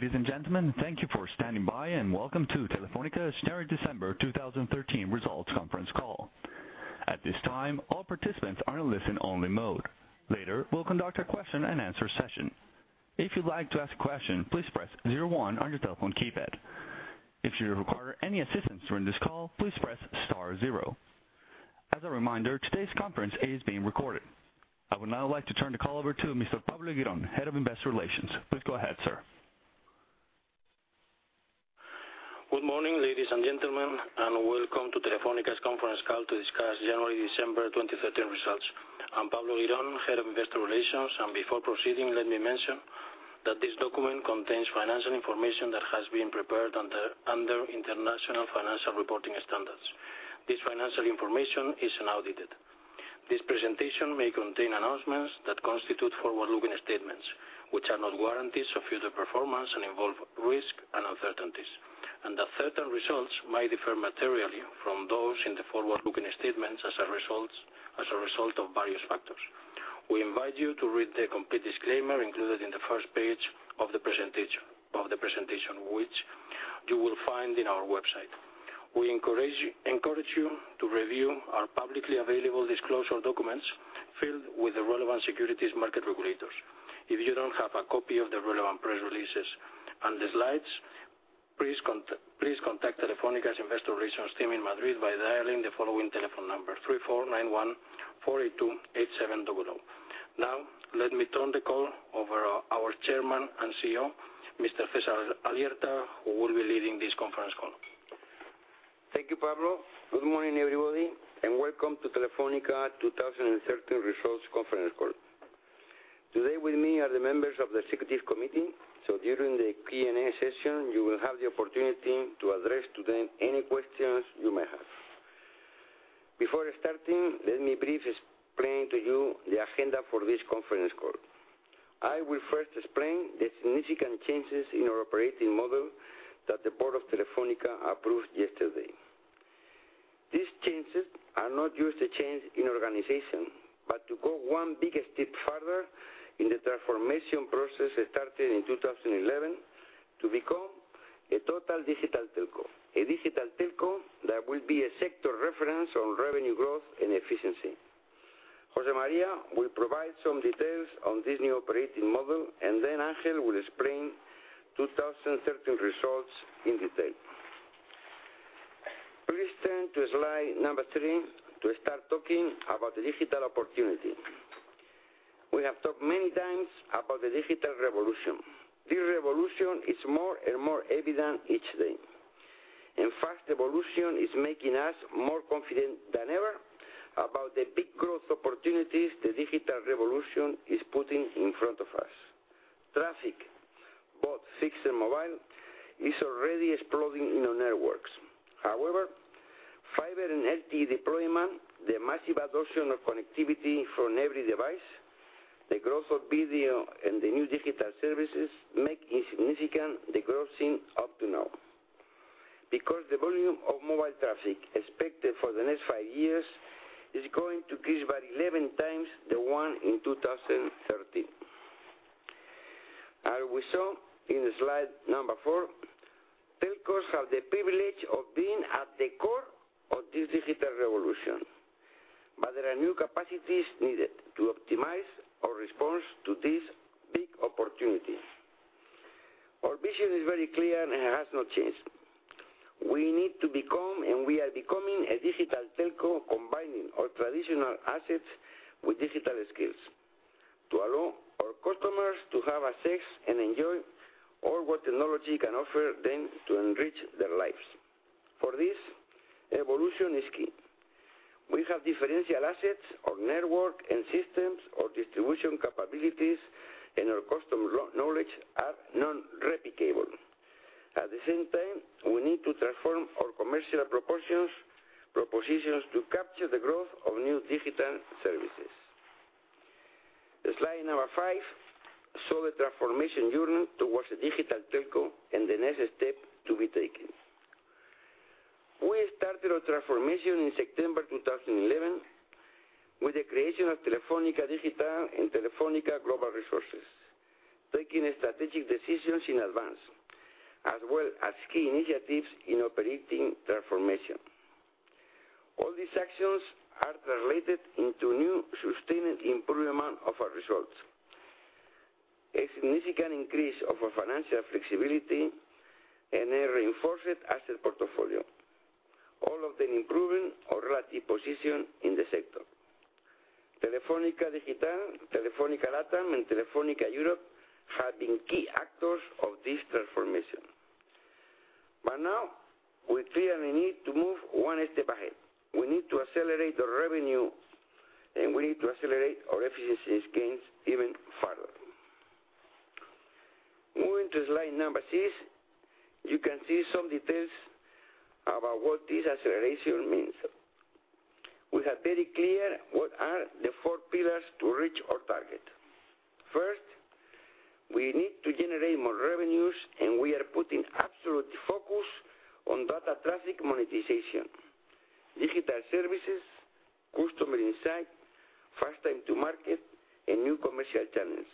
Ladies and gentlemen, thank you for standing by and welcome to Telefónica's January-December 2013 results conference call. At this time, all participants are in listen only mode. Later, we'll conduct a question and answer session. If you'd like to ask a question, please press 01 on your telephone keypad. If you require any assistance during this call, please press star zero. As a reminder, today's conference is being recorded. I would now like to turn the call over to Mr. Pablo Eguirón, Head of Investor Relations. Please go ahead, sir. Good morning, ladies and gentlemen, and welcome to Telefónica's conference call to discuss January-December 2013 results. I'm Pablo Girón, Head of Investor Relations, and before proceeding, let me mention that this document contains financial information that has been prepared under International Financial Reporting Standards. This financial information is unaudited. This presentation may contain announcements that constitute forward-looking statements, which are not guarantees of future performance and involve risk and uncertainties, and that certain results may differ materially from those in the forward-looking statements as a result of various factors. We invite you to read the complete disclaimer included in the first page of the presentation, which you will find in our website. We encourage you to review our publicly available disclosure documents filed with the relevant securities market regulators. If you don't have a copy of the relevant press releases and the slides, please contact Telefónica's Investor Relations team in Madrid by dialing the following telephone number, 3491-482-8700. Let me turn the call over our Chairman and CEO, Mr. César Alierta, who will be leading this conference call. Thank you, Pablo. Good morning, everybody, and welcome to Telefónica 2013 Results Conference Call. Today with me are the members of the Executive Committee. During the Q&A session, you will have the opportunity to address to them any questions you may have. Before starting, let me briefly explain to you the agenda for this conference call. I will first explain the significant changes in our operating model that the Board of Telefónica approved yesterday. These changes are not just a change in organization, but to go one big step further in the transformation process started in 2011 to become a total digital telco. A digital telco that will be a sector reference on revenue growth and efficiency. José María will provide some details on this new operating model. Ángel will explain 2013 results in detail. Please turn to slide number three to start talking about the digital opportunity. We have talked many times about the digital revolution. This revolution is more and more evident each day. In fact, evolution is making us more confident than ever about the big growth opportunities the digital revolution is putting in front of us. Traffic, both fixed and mobile, is already exploding in our networks. However, fiber and LTE deployment, the massive adoption of connectivity from every device, the growth of video, and the new digital services make insignificant the growth seen up to now. Because the volume of mobile traffic expected for the next five years is going to increase by 11 times the one in 2013. As we saw in slide number four, telcos have the privilege of being at the core of this digital revolution. There are new capacities needed to optimize our response to this big opportunity. Our vision is very clear and has not changed. We need to become, and we are becoming a digital telco, combining our traditional assets with digital skills to allow our customers to have access and enjoy all what technology can offer them to enrich their lives. For this, evolution is key. We have differential assets. Our network and systems, our distribution capabilities, and our customer knowledge are non-replicable. At the same time, we need to transform our commercial propositions to capture the growth of new digital services. The slide number five show the transformation journey towards a digital telco and the next step to be taken. We started our transformation in September 2011 with the creation of Telefónica Digital and Telefónica Global Resources, taking strategic decisions in advance, as well as key initiatives in operating transformation. All these actions are translated into new sustained improvement of our results, a significant increase of our financial flexibility, and a reinforced asset portfolio, all of them improving our relative position in the sector. Telefónica Digital, Telefónica Latam, and Telefónica Europe have been key actors of this transformation. Now we clearly need to move one step ahead. We need to accelerate the revenue. We need to accelerate our efficiency gains even further. Moving to slide number six, you can see some details about what this acceleration means. We have very clear what are the four pillars to reach our target. First, we need to generate more revenues and Absolutely focused on data traffic monetization, digital services, customer insight, fast time to market, and new commercial channels.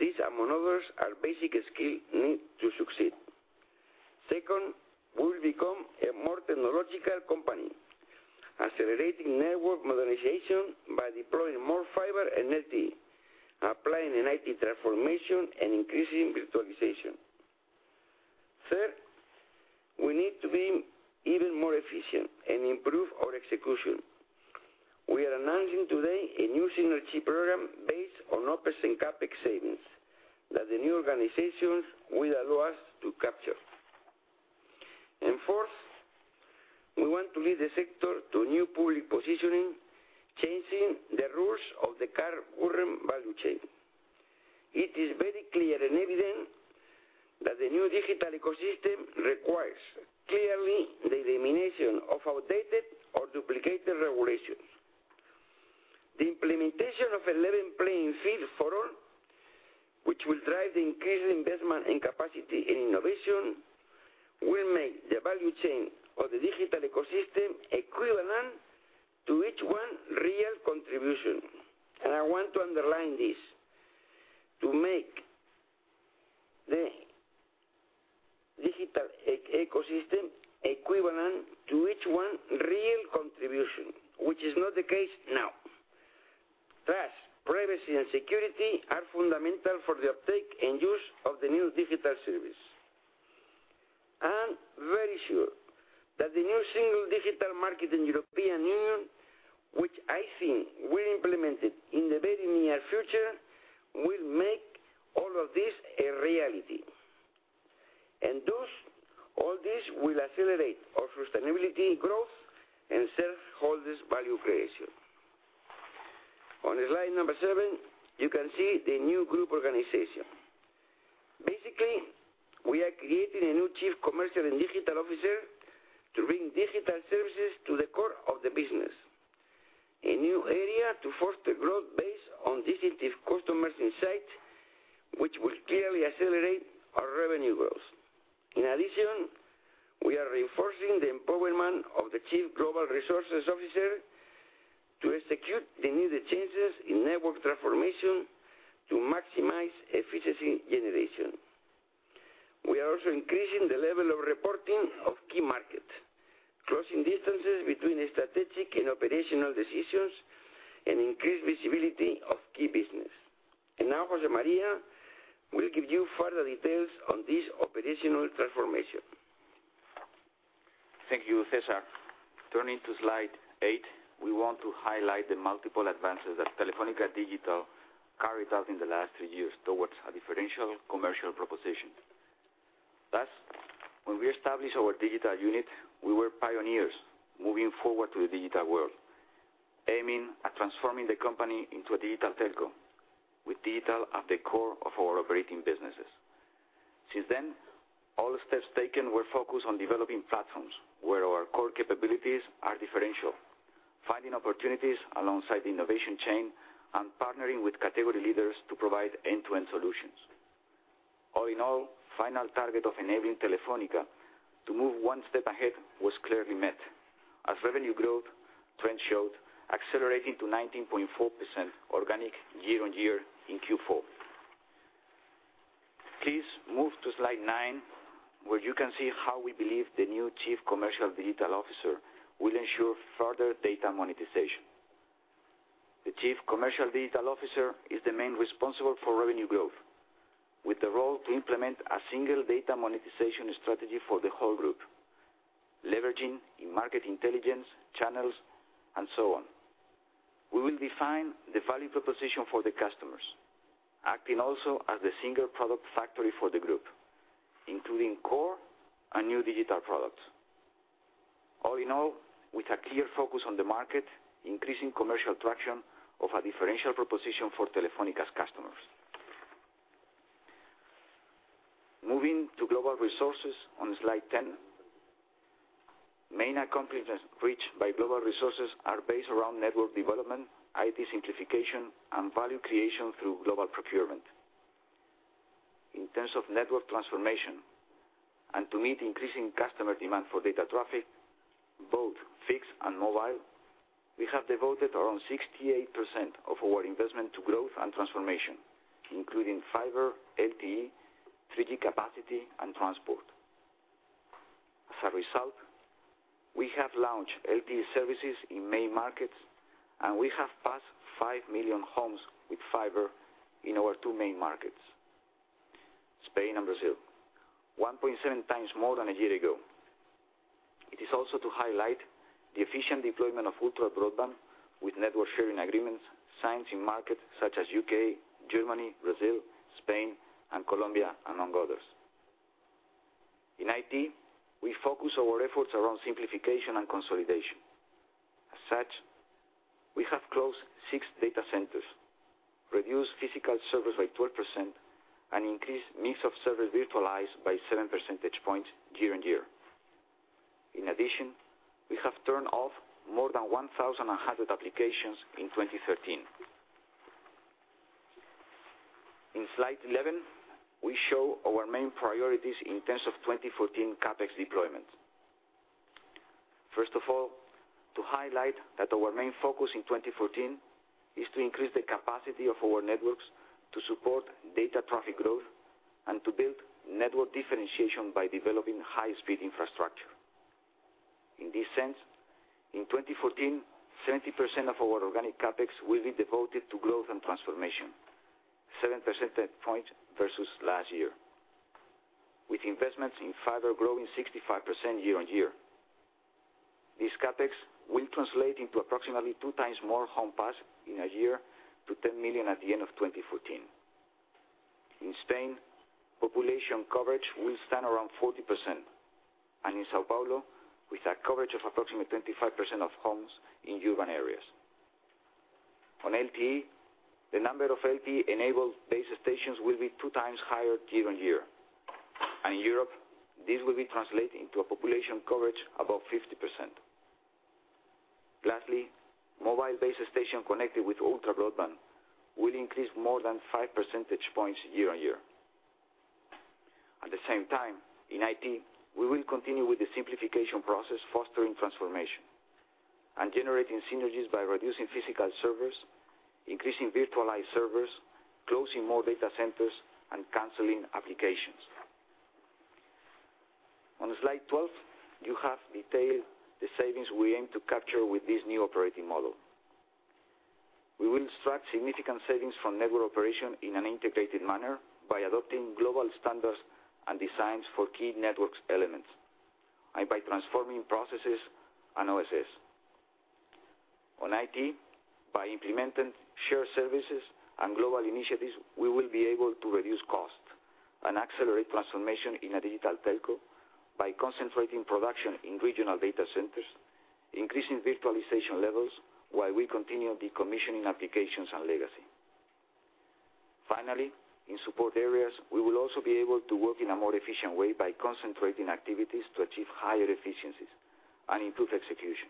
These, among others, are basic skills needed to succeed. Second, we will become a more technological company, accelerating network modernization by deploying more fiber and LTE, applying an IT transformation, and increasing virtualization. Third, we need to be even more efficient and improve our execution. We are announcing today a new synergy program based on OpEx and CapEx savings that the new organizations will allow us to capture. Fourth, we want to lead the sector to new public positioning, changing the rules of the current value chain. It is very clear and evident that the new digital ecosystem requires clearly the elimination of outdated or duplicated regulations. The implementation of a level playing field for all, which will drive the increased investment in capacity and innovation, will make the value chain of the digital ecosystem equivalent to each one real contribution. I want to underline this, to make the digital ecosystem equivalent to each one real contribution, which is not the case now. Thus, privacy and security are fundamental for the uptake and use of the new digital service. I am very sure that the new single digital market in European Union, which I think will be implemented in the very near future, will make all of this a reality. Thus, all this will accelerate our sustainability growth and shareholders value creation. On slide seven, you can see the new group organization. Basically, we are creating a new Chief Commercial and Digital Officer to bring digital services to the core of the business. A new area to foster growth based on distinctive customers insight, which will clearly accelerate our revenue growth. In addition, we are reinforcing the empowerment of the Chief Global Resources Officer to execute the needed changes in network transformation to maximize efficiency generation. We are also increasing the level of reporting of key markets, closing distances between the strategic and operational decisions, and increase visibility of key business. Now José María will give you further details on this operational transformation. Thank you, César. Turning to slide eight, we want to highlight the multiple advances that Telefónica Digital carried out in the last three years towards a differential commercial proposition. Thus, when we established our digital unit, we were pioneers moving forward to the digital world, aiming at transforming the company into a digital telco with digital at the core of our operating businesses. Since then, all the steps taken were focused on developing platforms where our core capabilities are differential, finding opportunities alongside the innovation chain, and partnering with category leaders to provide end-to-end solutions. All in all, final target of enabling Telefónica to move one step ahead was clearly met, as revenue growth trend showed, accelerating to 19.4% organic year-on-year in Q4. Please move to slide nine, where you can see how we believe the new Chief Commercial Digital Officer will ensure further data monetization. The Chief Commercial Digital Officer is the main responsible for revenue growth, with the role to implement a single data monetization strategy for the whole group, leveraging in market intelligence, channels, and so on. We will define the value proposition for the customers, acting also as the single product factory for the group, including core and new digital products. All in all, with a clear focus on the market, increasing commercial traction of a differential proposition for Telefónica's customers. Moving to Global Resources on slide 10. Main accomplishments reached by Global Resources are based around network development, IT simplification, and value creation through global procurement. In terms of network transformation, and to meet increasing customer demand for data traffic, both fixed and mobile, we have devoted around 68% of our investment to growth and transformation, including fiber, LTE, 3G capacity, and transport. As a result, we have launched LTE services in main markets, and we have passed 5 million homes with fiber in our two main markets, Spain and Brazil, 1.7 times more than a year ago. It is also to highlight the efficient deployment of ultra broadband with network sharing agreements signed in markets such as U.K., Germany, Brazil, Spain, and Colombia, among others. In IT, we focus our efforts around simplification and consolidation. As such, we have closed six data centers, reduced physical servers by 12%, and increased mix of servers virtualized by 7% year on year. In addition, we have turned off more than 1,100 applications in 2013. In slide 11, we show our main priorities in terms of 2014 CapEx deployment. First of all, to highlight that our main focus in 2014 is to increase the capacity of our networks to support data traffic growth and to build network differentiation by developing high-speed infrastructure. In this sense, in 2014, 70% of our organic CapEx will be devoted to growth and transformation, 7% points versus last year, with investments in fiber growing 65% year on year. This CapEx will translate into approximately two times more home passed in a year to 10 million at the end of 2014. In Spain, population coverage will stand around 40%, and in São Paulo, with a coverage of approximately 25% of homes in urban areas. On LTE, the number of LTE-enabled base stations will be two times higher year on year. In Europe, this will be translating to a population coverage above 50%. Lastly, mobile base station connected with ultra broadband will increase more than 5% points year on year. At the same time, in IT, we will continue with the simplification process, fostering transformation and generating synergies by reducing physical servers, increasing virtualized servers, closing more data centers, and canceling applications. On slide 12, you have detailed the savings we aim to capture with this new operating model. We will extract significant savings from network operation in an integrated manner by adopting global standards and designs for key networks elements, and by transforming processes and OSS. On IT, by implementing shared services and global initiatives, we will be able to reduce costs and accelerate transformation in a digital telco by concentrating production in regional data centers, increasing virtualization levels, while we continue decommissioning applications and legacy. Finally, in support areas, we will also be able to work in a more efficient way by concentrating activities to achieve higher efficiencies and improve execution.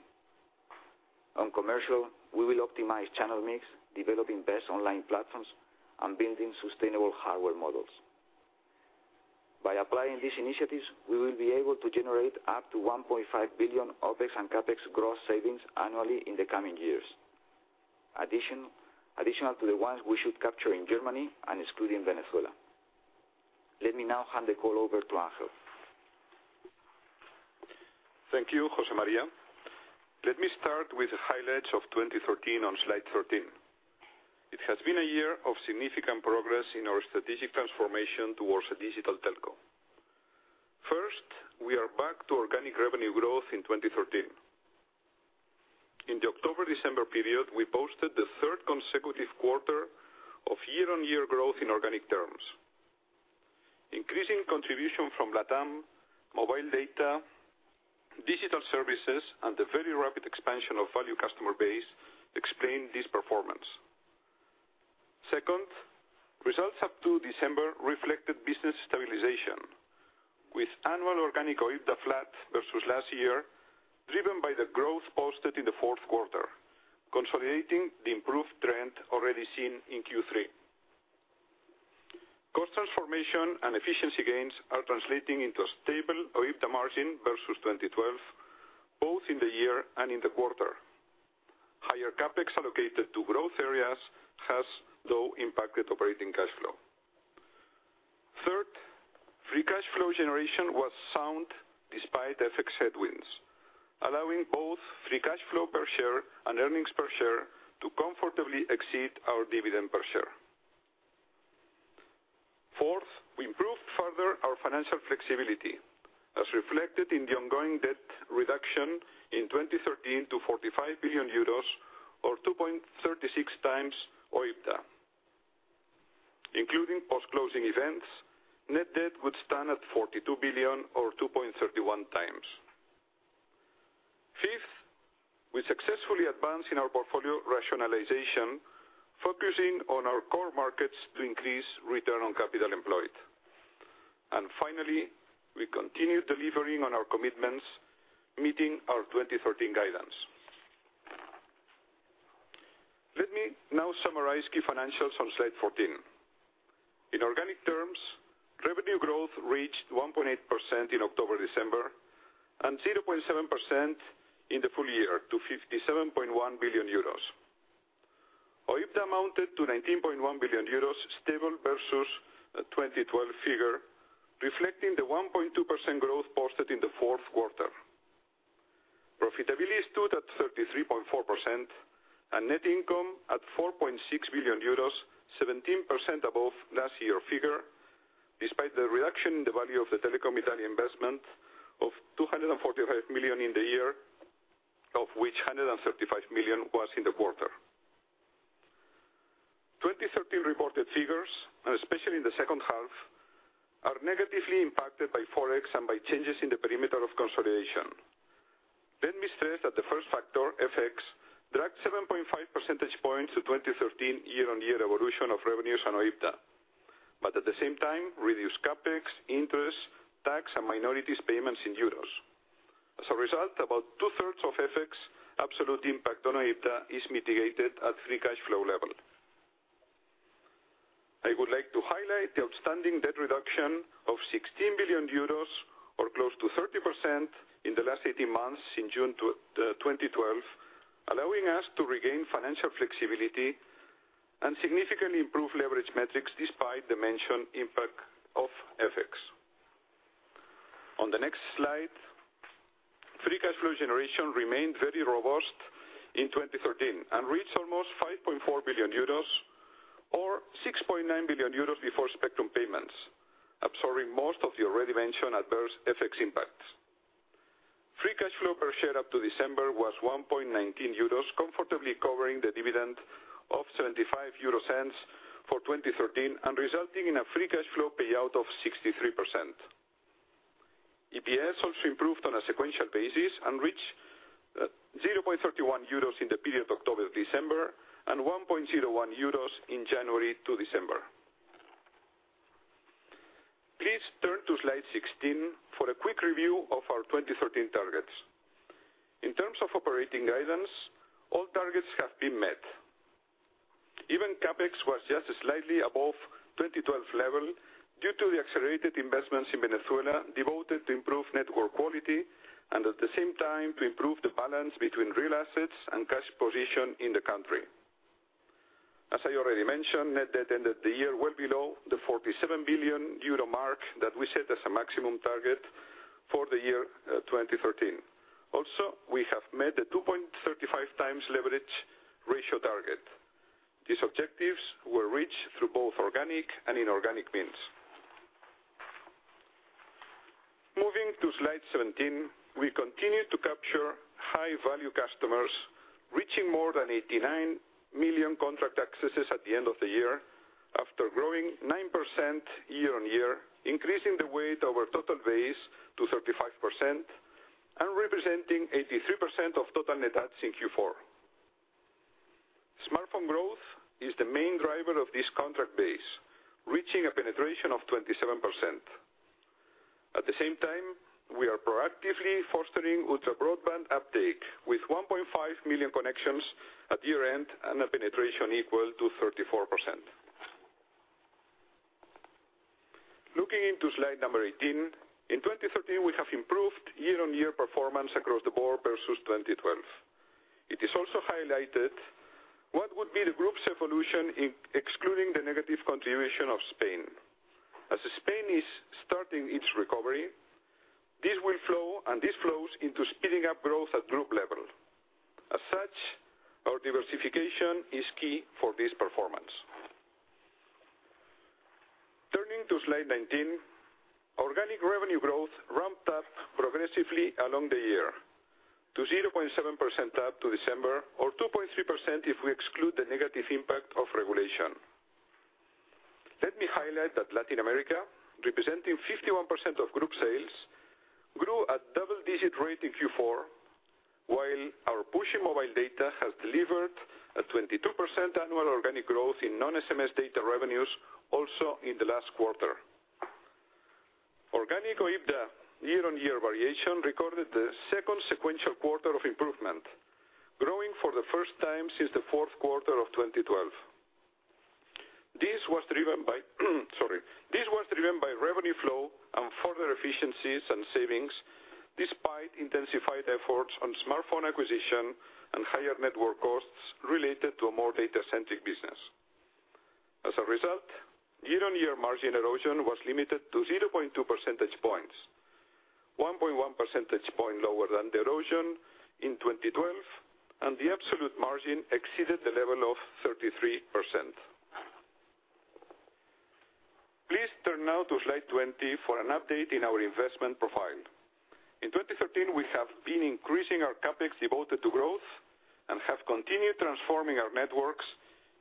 On commercial, we will optimize channel mix, developing best online platforms, and building sustainable hardware models. By applying these initiatives, we will be able to generate up to 1.5 billion OpEx and CapEx gross savings annually in the coming years, additional to the ones we should capture in Germany and excluding Venezuela. Let me now hand the call over to Ángel. Thank you, José María. Let me start with the highlights of 2013 on slide 13. It has been a year of significant progress in our strategic transformation towards a digital telco. First, we are back to organic revenue growth in 2013. In the October-December period, we posted the third consecutive quarter of year-on-year growth in organic terms. Increasing contribution from LatAm, mobile data, digital services, and the very rapid expansion of value customer base explain this performance. Second, results up to December reflected business stabilization, with annual organic OIBDA flat versus last year, driven by the growth posted in the fourth quarter, consolidating the improved trend already seen in Q3. Cost transformation and efficiency gains are translating into a stable OIBDA margin versus 2012, both in the year and in the quarter. Higher CapEx allocated to growth areas has, though, impacted operating cash flow. Third, free cash flow generation was sound despite FX headwinds, allowing both free cash flow per share and earnings per share to comfortably exceed our dividend per share. Fourth, we improved further our financial flexibility, as reflected in the ongoing debt reduction in 2013 to 45 billion euros or 2.36 times OIBDA. Including post-closing events, net debt would stand at 42 billion or 2.31 times. Fifth, we successfully advanced in our portfolio rationalization, focusing on our core markets to increase return on capital employed. Finally, we continued delivering on our commitments, meeting our 2013 guidance. Let me now summarize key financials on slide 14. In organic terms, revenue growth reached 1.8% in October-December and 0.7% in the full year to 57.1 billion euros. OIBDA amounted to 19.1 billion euros, stable versus 2012 figure, reflecting the 1.2% growth posted in the fourth quarter. Profitability stood at 33.4% and net income at 4.6 billion euros, 17% above last year figure, despite the reduction in the value of the Telecom Italia investment of 245 million in the year, of which 135 million was in the quarter. 2013 reported figures, and especially in the second half, are negatively impacted by Forex and by changes in the perimeter of consolidation. Let me stress that the first factor, FX, dragged 7.5 percentage points to 2013 year on year evolution of revenues and OIBDA. At the same time, reduce CapEx, interest, tax, and minorities payments in euros. As a result, about two-thirds of FX absolute impact on EBITDA is mitigated at free cash flow level. I would like to highlight the outstanding debt reduction of 16 billion euros or close to 30% in the last 18 months in June 2012, allowing us to regain financial flexibility and significantly improve leverage metrics despite the mentioned impact of FX. On the next slide, free cash flow generation remained very robust in 2013 and reached almost 5.4 billion euros or 6.9 billion euros before spectrum payments, absorbing most of the already mentioned adverse FX impacts. Free cash flow per share up to December was 1.19 euros, comfortably covering the dividend of 0.75 for 2013 and resulting in a free cash flow payout of 63%. EPS also improved on a sequential basis and reached 0.31 euros in the period October, December, and 1.01 euros in January to December. Please turn to slide 16 for a quick review of our 2013 targets. In terms of operating guidance, all targets have been met. Even CapEx was just slightly above 2012 level due to the accelerated investments in Venezuela devoted to improve network quality and at the same time to improve the balance between real assets and cash position in the country. As I already mentioned, net debt ended the year well below the 47 billion euro mark that we set as a maximum target for the year 2013. Also, we have met the 2.35 times leverage ratio target. These objectives were reached through both organic and inorganic means. Moving to slide 17, we continue to capture high-value customers, reaching more than 89 million contract accesses at the end of the year after growing 9% year-on-year, increasing the weight over total base to 35% and representing 83% of total net adds in Q4. Smartphone growth is the main driver of this contract base, reaching a penetration of 27%. At the same time, we are proactively fostering ultra-broadband uptake with 1.5 million connections at year-end and a penetration equal to 34%. Looking into slide number 18, in 2013 we have improved year-on-year performance across the board versus 2012. It is also highlighted what would be the group's evolution excluding the negative contribution of Spain. As Spain is starting its recovery, this will flow, and this flows into speeding up growth at group level. Our diversification is key for this performance. Turning to slide 19, organic revenue growth ramped up progressively along the year to 0.7% up to December or 2.3% if we exclude the negative impact of regulation. Let me highlight that Latin America, representing 51% of group sales, grew a double-digit rate in Q4 while our push in mobile data has delivered a 22% annual organic growth in non-SMS data revenues also in the last quarter. Organic OIBDA year-on-year variation recorded the second sequential quarter of improvement, growing for the first time since the fourth quarter of 2012. This was driven by revenue flow and further efficiencies and savings, despite intensified efforts on smartphone acquisition and higher network costs related to a more data-centric business. As a result, year-on-year margin erosion was limited to 0.2 percentage points, 1.1 percentage point lower than the erosion in 2012, and the absolute margin exceeded the level of 33%. Please turn now to slide 20 for an update in our investment profile. In 2013, we have been increasing our CapEx devoted to growth and have continued transforming our networks,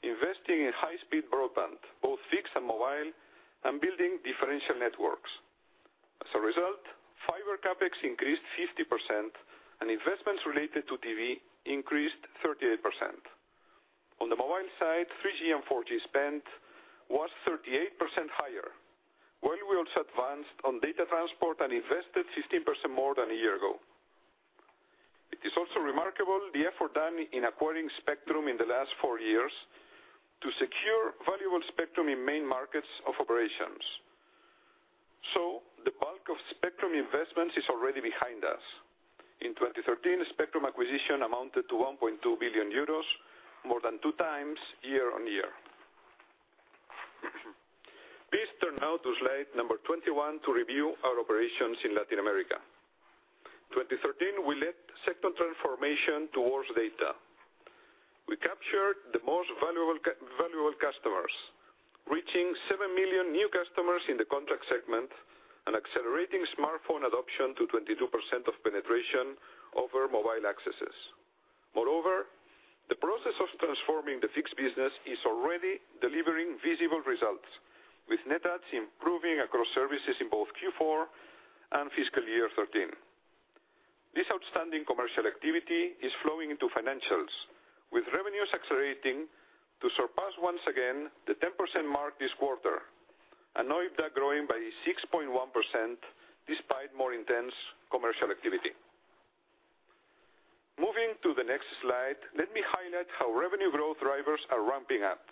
investing in high-speed broadband, both fixed and mobile, and building differential networks. As a result, fiber CapEx increased 50% and investments related to TV increased 38%. On the mobile side, 3G and 4G spend was 38% higher, while we also advanced on data transport and invested 16% more than a year ago. It is also remarkable the effort done in acquiring spectrum in the last four years to secure valuable spectrum in main markets of operations. The bulk of spectrum investments is already behind us. In 2013, spectrum acquisition amounted to 1.2 billion euros, more than two times year-on-year. Please turn now to slide number 21 to review our operations in Latin America. 2013, we led sector transformation towards data. We captured the most valuable customers, reaching 7 million new customers in the contract segment and accelerating smartphone adoption to 22% of penetration over mobile accesses. Moreover, the process of transforming the fixed business is already delivering visible results with net adds improving across services in both Q4 and fiscal year 2013. This outstanding commercial activity is flowing into financials, with revenues accelerating to surpass once again the 10% mark this quarter, and OIBDA growing by 6.1%, despite more intense commercial activity. Moving to the next slide, let me highlight how revenue growth drivers are ramping up.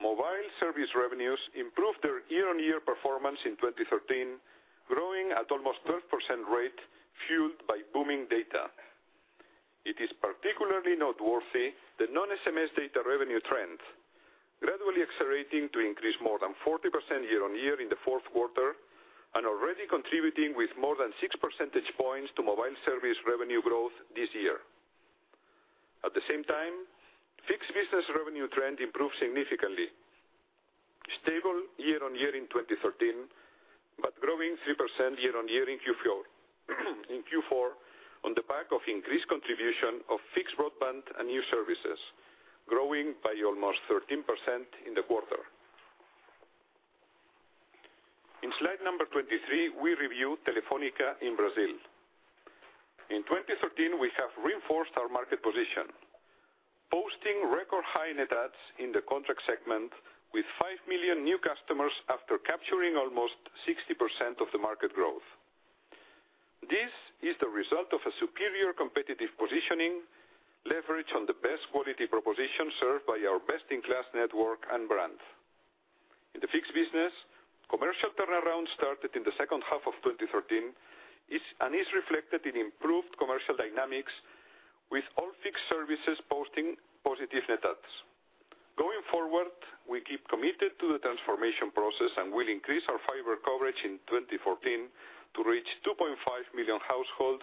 Mobile service revenues improved their year-on-year performance in 2013, growing at almost 12% rate fueled by booming data. It is particularly noteworthy the non-SMS data revenue trend, gradually accelerating to increase more than 40% year-on-year in the fourth quarter and already contributing with more than six percentage points to mobile service revenue growth this year. At the same time, fixed business revenue trend improved significantly. Stable year-on-year in 2013, but growing 3% year-on-year in Q4, on the back of increased contribution of fixed broadband and new services, growing by almost 13% in the quarter. In slide number 23, we review Telefónica in Brazil. In 2013, we have reinforced our market position, posting record high net adds in the contract segment with 5 million new customers after capturing almost 60% of the market growth. This is the result of a superior competitive positioning leverage on the best quality proposition served by our best-in-class network and brand. In the fixed business, commercial turnaround started in the second half of 2013, and is reflected in improved commercial dynamics with all fixed services posting positive net adds. Going forward, we keep committed to the transformation process and will increase our fiber coverage in 2014 to reach 2.5 million households,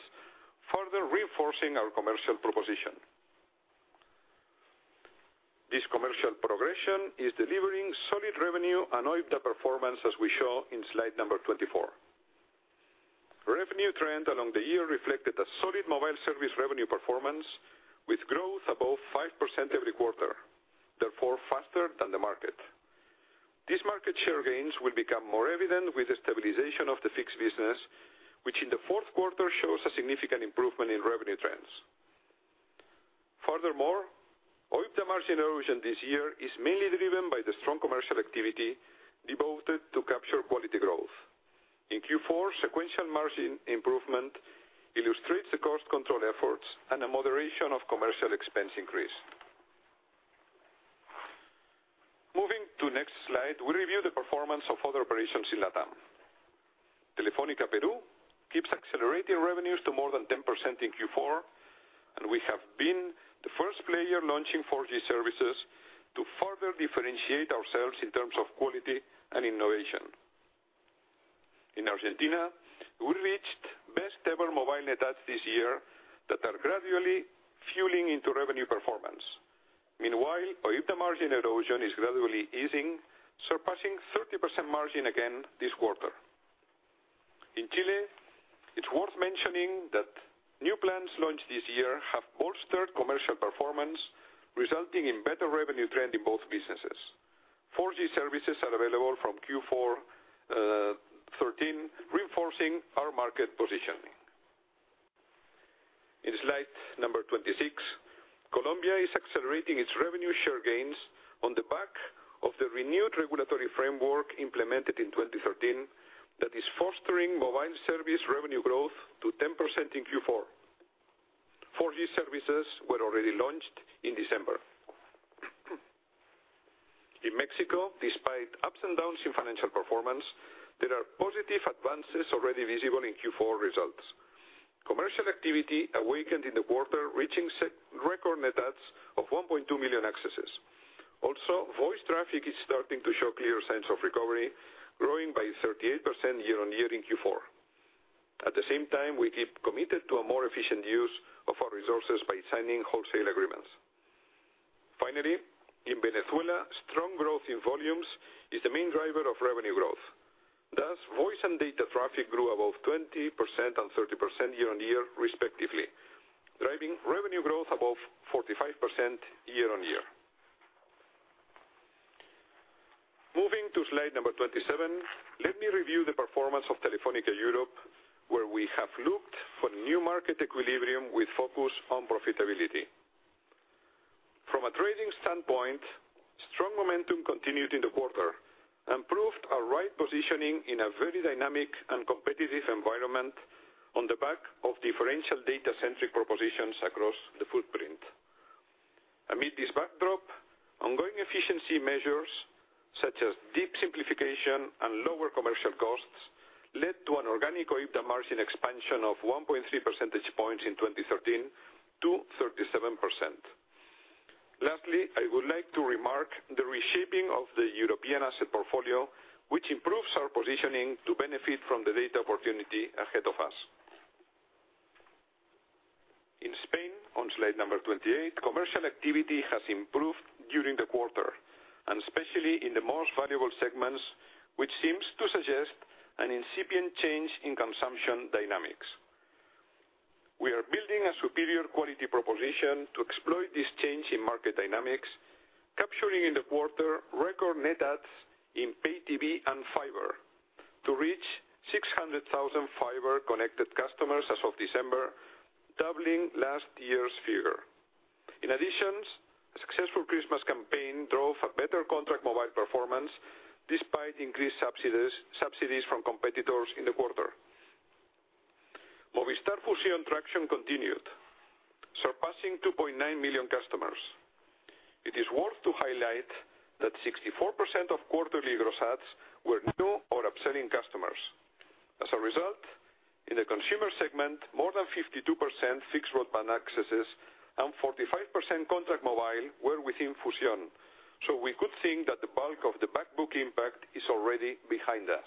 further reinforcing our commercial proposition. This commercial progression is delivering solid revenue and OIBDA performance as we show in slide number 24. Revenue trend along the year reflected a solid mobile service revenue performance with growth above 5% every quarter, therefore faster than the market. These market share gains will become more evident with the stabilization of the fixed business, which in the fourth quarter shows a significant improvement in revenue trends. Furthermore, OIBDA margin erosion this year is mainly driven by the strong commercial activity devoted to capture quality growth. In Q4, sequential margin improvement illustrates the cost control efforts and a moderation of commercial expense increase. Moving to next slide. We review the performance of other operations in LatAm. Telefónica Peru keeps accelerating revenues to more than 10% in Q4, and we have been the first player launching 4G services to further differentiate ourselves in terms of quality and innovation. In Argentina, we reached best ever mobile net adds this year that are gradually fueling into revenue performance. Meanwhile, OIBDA margin erosion is gradually easing, surpassing 30% margin again this quarter. In Chile, it's worth mentioning that new plans launched this year have bolstered commercial performance, resulting in better revenue trend in both businesses. 4G services are available from Q4 2013, reinforcing our market positioning. In slide number 26, Colombia is accelerating its revenue share gains on the back of the renewed regulatory framework implemented in 2013 that is fostering mobile service revenue growth to 10% in Q4. 4G services were already launched in December. In Mexico, despite ups and downs in financial performance, there are positive advances already visible in Q4 results. Commercial activity awakened in the quarter, reaching record net adds of 1.2 million accesses. Voice traffic is starting to show clear signs of recovery, growing by 38% year-on-year in Q4. At the same time, we keep committed to a more efficient use of our resources by signing wholesale agreements. Finally, in Venezuela, strong growth in volumes is the main driver of revenue growth. Thus, voice and data traffic grew above 20% and 30% year-on-year respectively, driving revenue growth above 45% year-on-year. Moving to slide number 27. Let me review the performance of Telefónica Europe, where we have looked for new market equilibrium with focus on profitability. From a trading standpoint, strong momentum continued in the quarter and proved a right positioning in a very dynamic and competitive environment on the back of differential data-centric propositions across the footprint. Amid this backdrop, ongoing efficiency measures such as deep simplification and lower commercial costs led to an organic OIBDA margin expansion of 1.3 percentage points in 2013 to 37%. Lastly, I would like to remark the reshaping of the European asset portfolio, which improves our positioning to benefit from the data opportunity ahead of us. In Spain, on slide number 28, commercial activity has improved during the quarter, and especially in the most valuable segments, which seems to suggest an incipient change in consumption dynamics. We are building a superior quality proposition to exploit this change in market dynamics, capturing in the quarter record net adds in pay TV and fiber to reach 600,000 fiber connected customers as of December, doubling last year's figure. In additions, a successful Christmas campaign drove a better contract mobile performance despite increased subsidies from competitors in the quarter. Movistar Fusión traction continued, surpassing 2.9 million customers. It is worth to highlight that 64% of quarterly gross adds were new or upselling customers. As a result, in the consumer segment, more than 52% fixed broadband accesses and 45% contract mobile were within Fusión. We could think that the bulk of the back book impact is already behind us.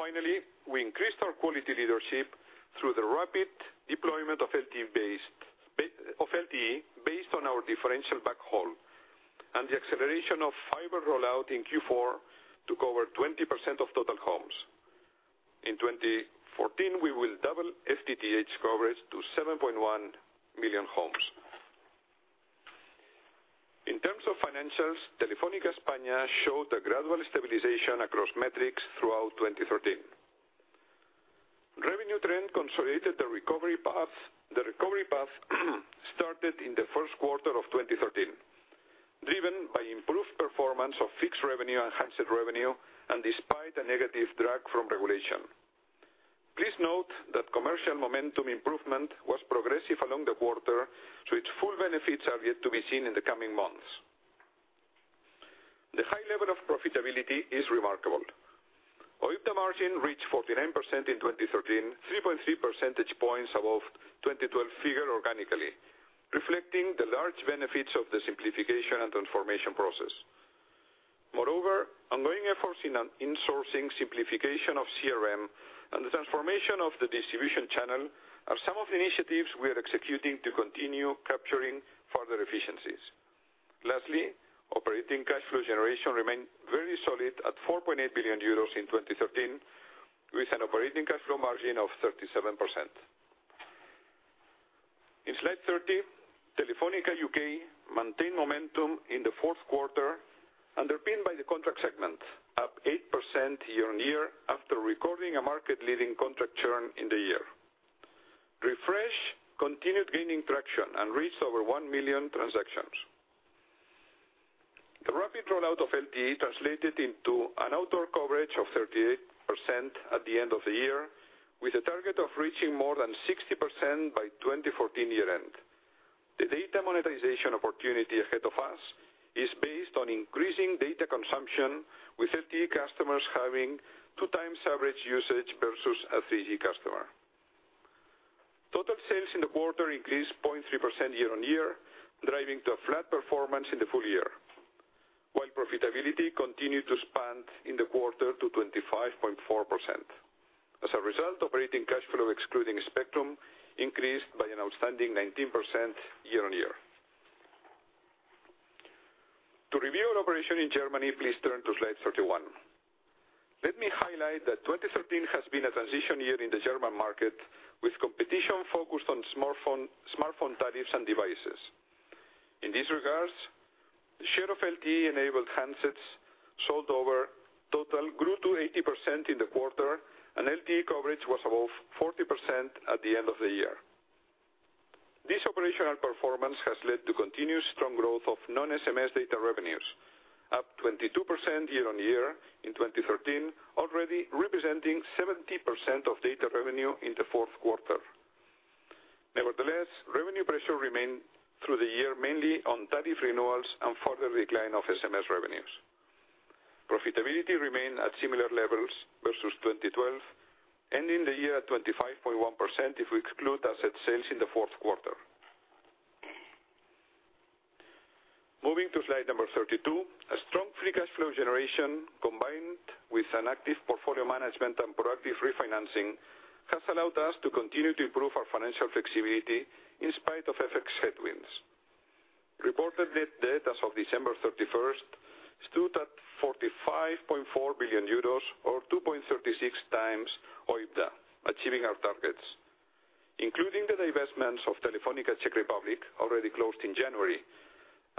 Finally, we increased our quality leadership through the rapid deployment of LTE based on our differential backhaul and the acceleration of fiber rollout in Q4 to cover 20% of total homes. In 2014, we will double FTTH coverage to 7.1 million homes. In terms of financials, Telefónica España showed a gradual stabilization across metrics throughout 2013. Revenue trend consolidated the recovery path started in the first quarter of 2013, driven by improved performance of fixed revenue and handset revenue and despite a negative drag from regulation. Please note that commercial momentum improvement was progressive along the quarter, its full benefits are yet to be seen in the coming months. The high level of profitability is remarkable. OIBDA margin reached 49% in 2013, 3.3 percentage points above 2012 figure organically, reflecting the large benefits of the simplification and transformation process. Moreover, ongoing efforts in insourcing simplification of CRM and the transformation of the distribution channel are some of the initiatives we are executing to continue capturing further efficiencies. Lastly, operating cash flow generation remained very solid at 4.8 billion euros in 2013, with an operating cash flow margin of 37%. In slide 30, Telefónica UK maintained momentum in the fourth quarter underpinned by the contract segment, up 8% year-on-year after recording a market leading contract churn in the year. Refresh continued gaining traction and reached over 1 million transactions. The rapid rollout of LTE translated into an outdoor coverage of 38% at the end of the year, with a target of reaching more than 60% by 2014 year end. The data monetization opportunity ahead of us is based on increasing data consumption, with [inaudible] customers having two times average usage versus a 3G customer. Total sales in the quarter increased 0.3% year-on-year, driving to a flat performance in the full year. While profitability continued to expand in the quarter to 25.4%. As a result, operating cash flow excluding spectrum increased by an outstanding 19% year-on-year. To review our operation in Germany, please turn to slide 31. Let me highlight that 2013 has been a transition year in the German market, with competition focused on smartphone tariffs and devices. In these regards, the share of LTE enabled handsets sold over total grew to 80% in the quarter, and LTE coverage was above 40% at the end of the year. This operational performance has led to continuous strong growth of non-SMS data revenues, up 22% year-on-year in 2013, already representing 70% of data revenue in the fourth quarter. Nevertheless, revenue pressure remained through the year, mainly on tariff renewals and further decline of SMS revenues. Profitability remained at similar levels versus 2012, ending the year at 25.1% if we exclude asset sales in the fourth quarter. Moving to slide number 32. A strong free cash flow generation, combined with an active portfolio management and productive refinancing, has allowed us to continue to improve our financial flexibility in spite of FX headwinds. Reported net debt as of December 31st stood at 45.4 billion euros or 2.36 times OIBDA, achieving our targets. Including the divestments of Telefónica Czech Republic already closed in January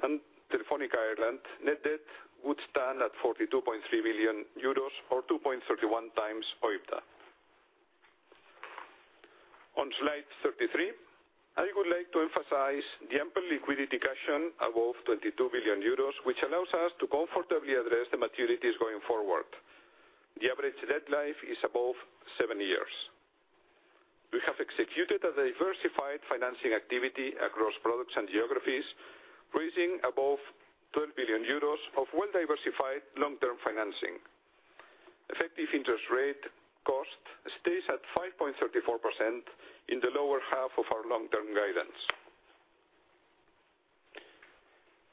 and Telefónica Ireland, net debt would stand at 42.3 billion euros or 2.31 times OIBDA. On slide 33, I would like to emphasize the ample liquidity cushion above 22 billion euros, which allows us to comfortably address the maturities going forward. The average net life is above seven years. We have executed a diversified financing activity across products and geographies, raising above 12 billion euros of well-diversified long-term financing. Effective interest rate cost stays at 5.34% in the lower half of our long-term guidance.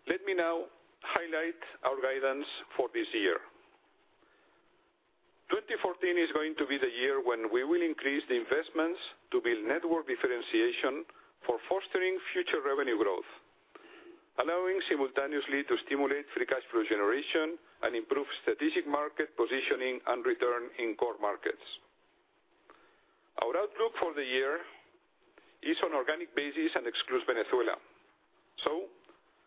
Let me now highlight our guidance for this year. 2014 is going to be the year when we will increase the investments to build network differentiation for fostering future revenue growth, allowing simultaneously to stimulate free cash flow generation and improve strategic market positioning and return in core markets. Our outlook for the year is on organic basis and excludes Venezuela.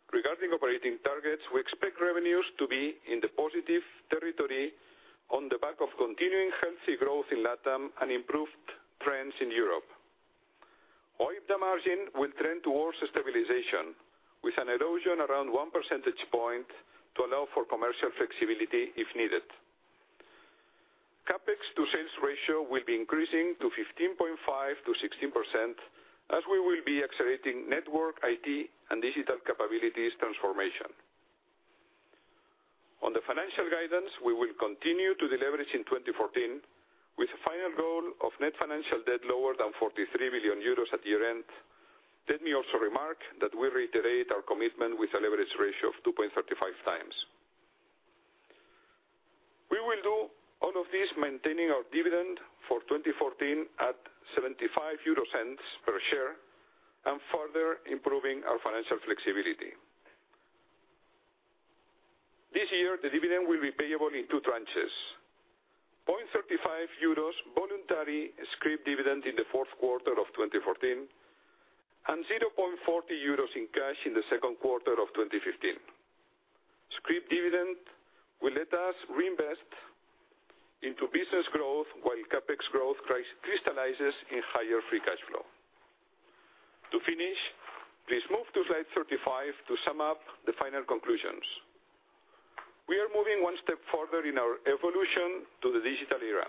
Regarding operating targets, we expect revenues to be in the positive territory on the back of continuing healthy growth in LATAM and improved trends in Europe. OIBDA margin will trend towards stabilization, with an erosion around one percentage point to allow for commercial flexibility if needed. CapEx to sales ratio will be increasing to 15.5%-16% as we will be accelerating network, IT, and digital capabilities transformation. On the financial guidance, we will continue to deleverage in 2014, with a final goal of net financial debt lower than 43 billion euros at year-end. Let me also remark that we reiterate our commitment with a leverage ratio of 2.35 times. We will do all of this maintaining our dividend for 2014 at 0.75 per share and further improving our financial flexibility. This year, the dividend will be payable in two tranches, 0.35 euros voluntary scrip dividend in the fourth quarter of 2014, and 0.40 euros in cash in the second quarter of 2015. Scrip dividend will let us reinvest into business growth while CapEx growth crystallizes in higher free cash flow. To finish, please move to slide 35 to sum up the final conclusions. We are moving one step further in our evolution to the digital era.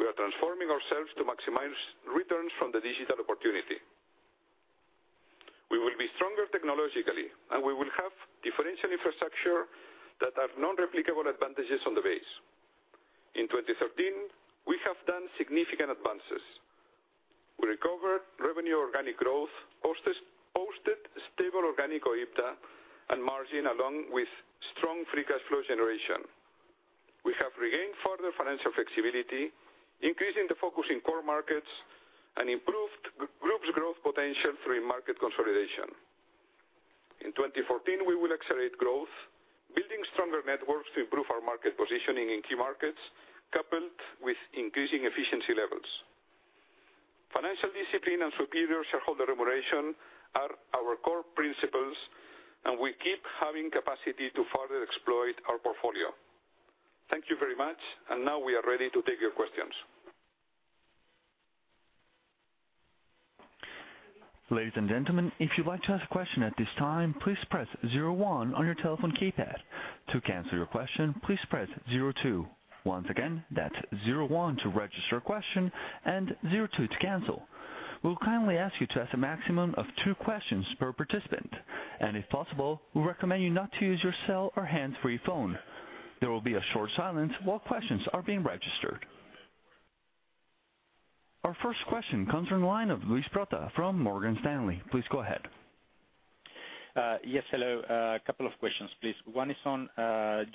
We are transforming ourselves to maximize returns from the digital opportunity. We will be stronger technologically. We will have differential infrastructure that have non-replicable advantages on the base. In 2013, we have done significant advances. We recovered revenue organic growth, posted stable organic OIBDA and margin along with strong free cash flow generation. We have regained further financial flexibility, increasing the focus in core markets, and improved the group's growth potential through market consolidation. In 2014, we will accelerate growth, building stronger networks to improve our market positioning in key markets, coupled with increasing efficiency levels. Financial discipline and superior shareholder remuneration are our core principles. We keep having capacity to further exploit our portfolio. Thank you very much. Now we are ready to take your questions. Ladies and gentlemen, if you'd like to ask a question at this time, please press 01 on your telephone keypad. To cancel your question, please press 02. Once again, that's 01 to register a question and 02 to cancel. We'll kindly ask you to ask a maximum of two questions per participant. If possible, we recommend you not to use your cell or hands-free phone. There will be a short silence while questions are being registered. Our first question comes from the line of Luis Prota from Morgan Stanley. Please go ahead. Yes, hello. A couple of questions, please. One is on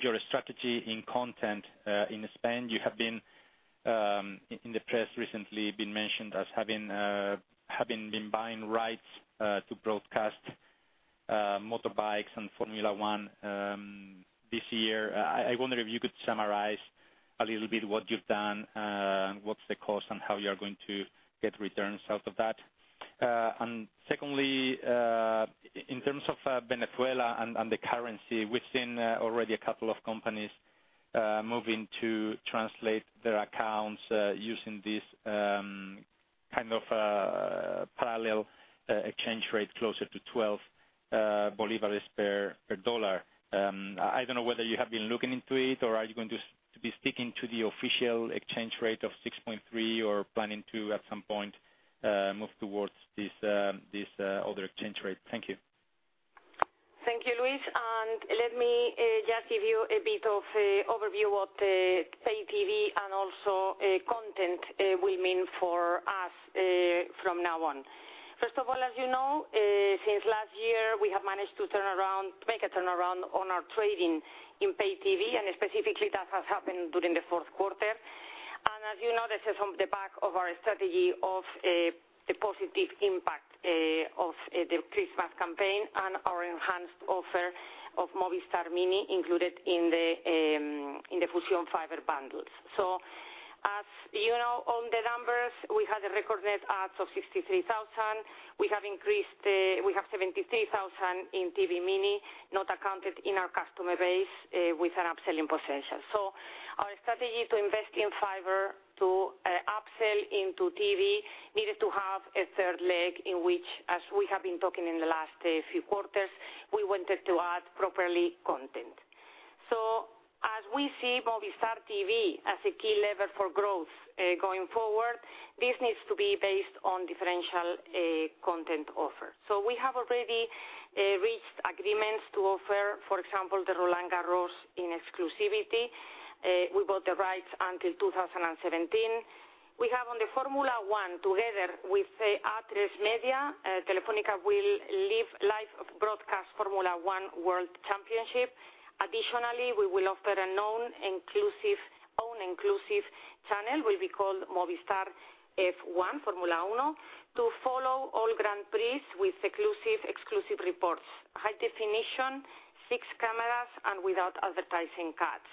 your strategy in content in Spain. You have, in the press recently, been mentioned as having been buying rights to broadcast motorbikes and Formula 1 this year. I wonder if you could summarize a little bit what you've done, what's the cost, and how you're going to get returns out of that. Secondly, in terms of Venezuela and the currency, we've seen already a couple of companies moving to translate their accounts using this kind of parallel exchange rate closer to 12 bolivars per US dollar. I don't know whether you have been looking into it. Are you going to be sticking to the official exchange rate of 6.3 or planning to, at some point, move towards this other exchange rate? Thank you. Thank you, Luis. Let me just give you a bit of overview of the pay TV and also content will mean for us from now on. First of all, as you know, since last year, we have managed to make a turnaround on our trading in pay TV, specifically that has happened during the fourth quarter. As you know, this is on the back of our strategy of the positive impact of the Christmas campaign and our enhanced offer of Movistar Mini included in the Fusión Fiber bundles. As you know, on the numbers, we had a record net adds of 63,000. We have 73,000 in Movistar Mini not accounted in our customer base with an upselling potential. Our strategy to invest in fiber to upsell into TV needed to have a third leg in which, as we have been talking in the last few quarters, we wanted to add properly content. As we see Movistar TV as a key lever for growth going forward, this needs to be based on differential content offer. We have already reached agreements to offer, for example, the Roland-Garros in exclusivity. We bought the rights until 2017. We have on the Formula One, together with Atresmedia, Telefónica will live broadcast Formula One World Championship. Additionally, we will offer a non-inclusive, non-inclusive channel will be called Movistar F1 Formula Uno to follow all Grand Prix with exclusive reports, high definition, six cameras, and without advertising cuts.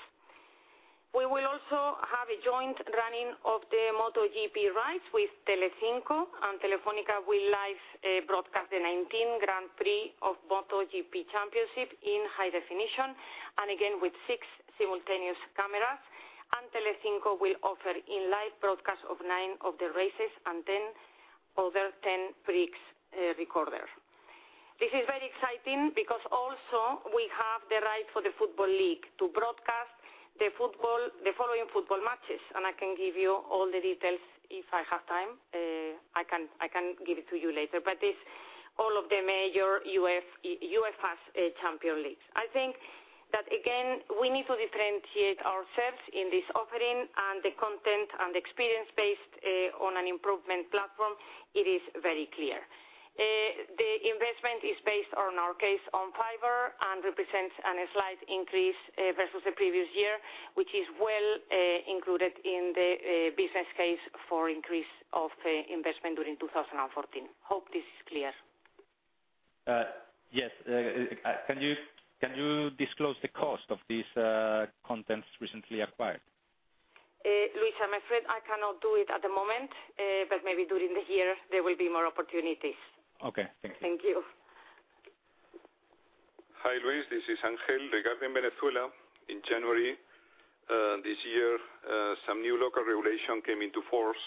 We will also have a joint running of the MotoGP rights with Telecinco. Telefónica will live broadcast the 19 Grand Prix of MotoGP championship in high definition, again with six simultaneous cameras. Telecinco will offer a live broadcast of nine of the races and then over 10 prix recorded. This is very exciting because also we have the right for the Football League to broadcast the following football matches. I can give you all the details if I have time. I can give it to you later. It's all of the major UEFA Champions League. I think that, again, we need to differentiate ourselves in this offering and the content and experience based on an improvement platform. It is very clear. The investment is based on our case on fiber represents a slight increase versus the previous year, which is well included in the business case for increase of investment during 2014. Hope this is clear. Yes. Can you disclose the cost of these contents recently acquired? Luis, I'm afraid I cannot do it at the moment. Maybe during the year, there will be more opportunities. Okay. Thank you. Thank you. Hi, Luis. This is Ángel. Regarding Venezuela, in January this year, some new local regulation came into force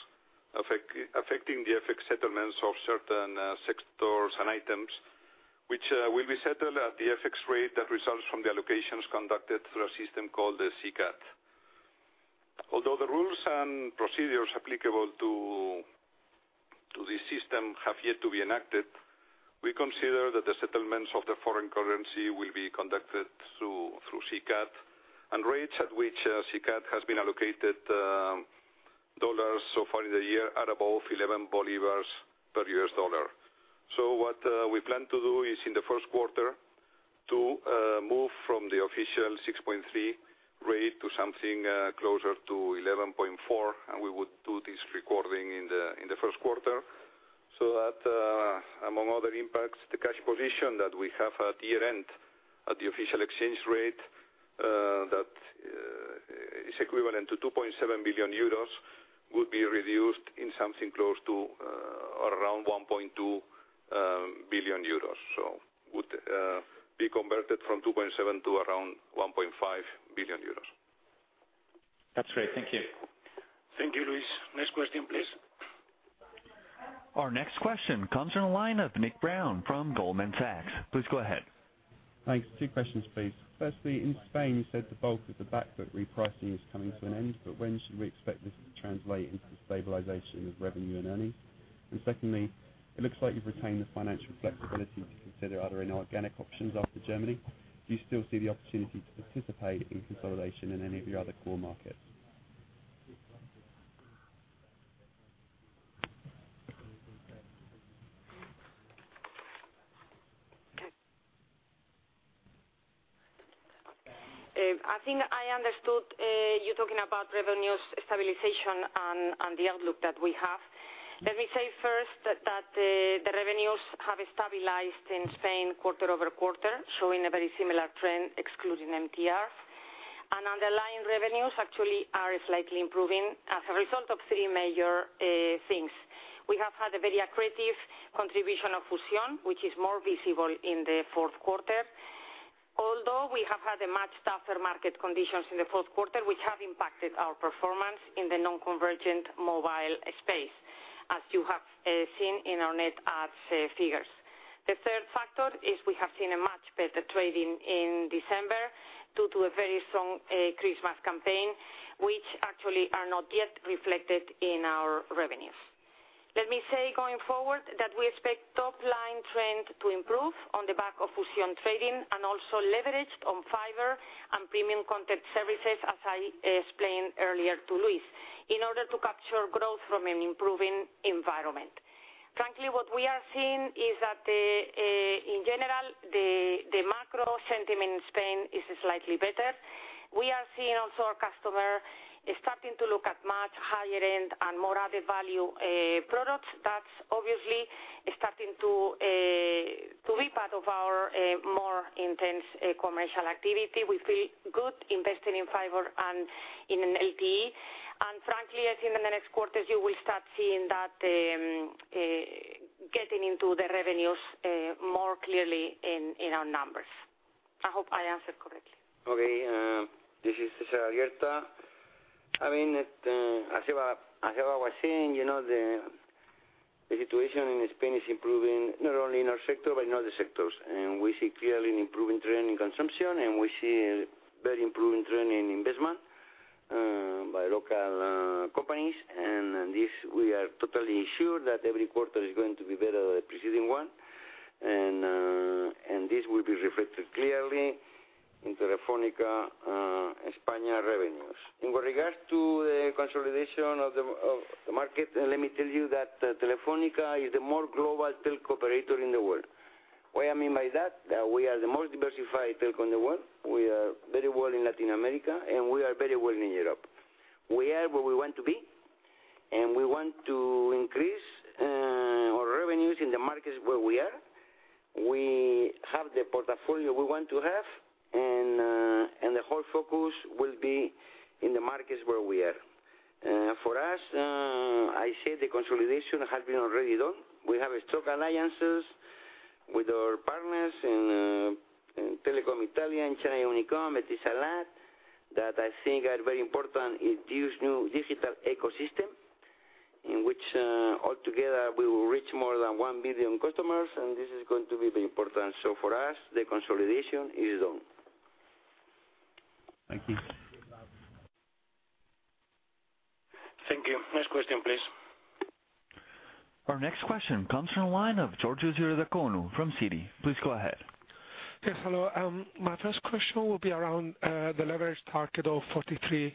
affecting the FX settlements of certain sectors and items, which will be settled at the FX rate that results from the allocations conducted through a system called the SICAD. Although the rules and procedures applicable to this system have yet to be enacted, we consider that the settlements of the foreign currency will be conducted through SICAD, and rates at which SICAD has been allocated dollars so far in the year are above 11 bolivars per USD. What we plan to do is in the first quarter to move from the official 6.3 rate to something closer to 11.4, and we would do this recording in the first quarter. That, among other impacts, the cash position that we have at year-end at the official exchange rate that is equivalent to 2.7 billion euros would be reduced in something close to or around 1.2 billion euros. Would be converted from 2.7 billion to around 1.5 billion euros. That's great. Thank you. Thank you, Luis. Next question, please. Our next question comes from the line of Nick Brown from Goldman Sachs. Please go ahead. Thanks. Two questions, please. Firstly, in Spain, you said the bulk of the back book repricing is coming to an end, when should we expect this to translate into stabilization of revenue and earnings? Secondly, it looks like you've retained the financial flexibility to consider are there any organic options after Germany. Do you still see the opportunity to participate in consolidation in any of your other core markets? I think I understood you talking about revenues stabilization and the outlook that we have. Let me say first that the revenues have stabilized in Spain quarter-over-quarter, showing a very similar trend excluding MTR. Underlying revenues actually are slightly improving as a result of three major things. We have had a very accretive contribution of Fusion, which is more visible in the fourth quarter. Although we have had a much tougher market conditions in the fourth quarter, which have impacted our performance in the non-convergent mobile space, as you have seen in our net adds figures. The third factor is we have seen a much better trading in December due to a very strong Christmas campaign, which actually are not yet reflected in our revenues. Let me say going forward that we expect top-line trend to improve on the back of Fusion trading and also leveraged on fiber and premium content services, as I explained earlier to Luis, in order to capture growth from an improving environment. Frankly, what we are seeing is that in general, the macro sentiment in Spain is slightly better. We are seeing also our customer is starting to look at much higher end and more added value products. That's obviously starting to be part of our more intense commercial activity. We feel good investing in fiber and in LTE. Frankly, I think in the next quarters, you will start seeing that getting into the revenues more clearly in our numbers. I hope I answered correctly. Okay. This is César Alierta. As Eva was saying, the situation in Spain is improving, not only in our sector, but in other sectors. We see clearly an improving trend in consumption. We see very improving trend in investment by local companies. We are totally sure that every quarter is going to be better than the preceding one. This will be reflected clearly in Telefónica España revenues. In regards to Consolidation of the market. Let me tell you that Telefónica is the more global telco operator in the world. What I mean by that we are the most diversified telco in the world. We are very well in Latin America. We are very well in Europe. We are where we want to be. We want to increase our revenues in the markets where we are. We have the portfolio we want to have. The whole focus will be in the markets where we are. For us, I say the consolidation has been already done. We have stock alliances with our partners in Telecom Italia and China Unicom. It is a lot that I think are very important. It gives new digital ecosystem, in which altogether we will reach more than 1 billion customers. This is going to be very important. For us, the consolidation is done. Thank you. You're welcome. Thank you. Next question, please. Our next question comes from the line of Georgios Ierodiaconou from Citi. Please go ahead. Yes, hello. My first question will be around the leverage target of 43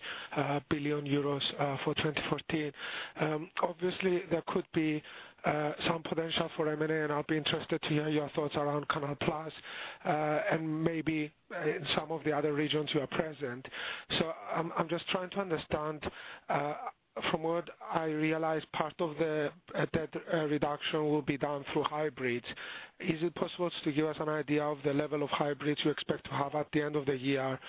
billion euros for 2014. Obviously, there could be some potential for M&A, and I'll be interested to hear your thoughts around Canal+ and maybe in some of the other regions you are present. I'm just trying to understand, from what I realize, part of the debt reduction will be done through hybrids. Is it possible to give us an idea of the level of hybrids you expect to have at the end of the year?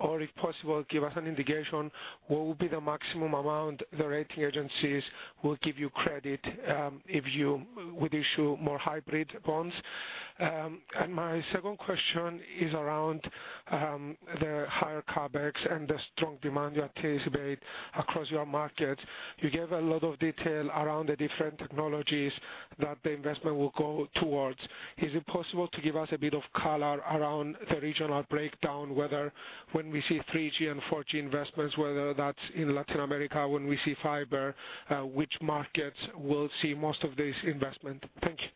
If possible, give us an indication what will be the maximum amount the rating agencies will give you credit, if you would issue more hybrid bonds? My second question is around the higher CapEx and the strong demand you anticipate across your markets. You gave a lot of detail around the different technologies that the investment will go towards. Is it possible to give us a bit of color around the regional breakdown, whether when we see 3G and 4G investments, whether that's in Latin America, when we see fiber, which markets will see most of this investment? Thank you.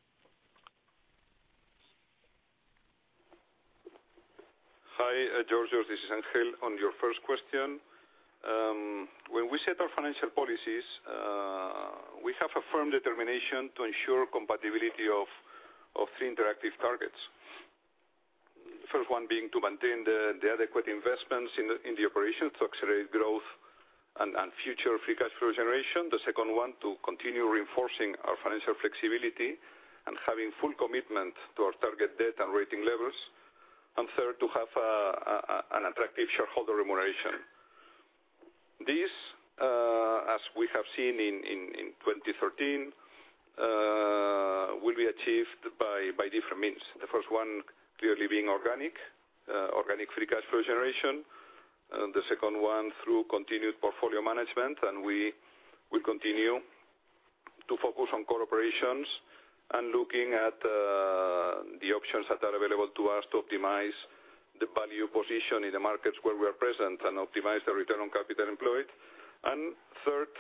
Hi, Georgios. This is Ángel. On your first question, when we set our financial policies, we have a firm determination to ensure compatibility of three interactive targets. The first one being to maintain the adequate investments in the operations to accelerate growth and future free cash flow generation. The second one, to continue reinforcing our financial flexibility and having full commitment to our target debt and rating levels. Third, to have an attractive shareholder remuneration. This, as we have seen in 2013, will be achieved by different means. The first one clearly being organic free cash flow generation, the second one through continued portfolio management, and we will continue to focus on core operations and looking at the options that are available to us to optimize the value position in the markets where we are present and optimize the return on capital employed. Third,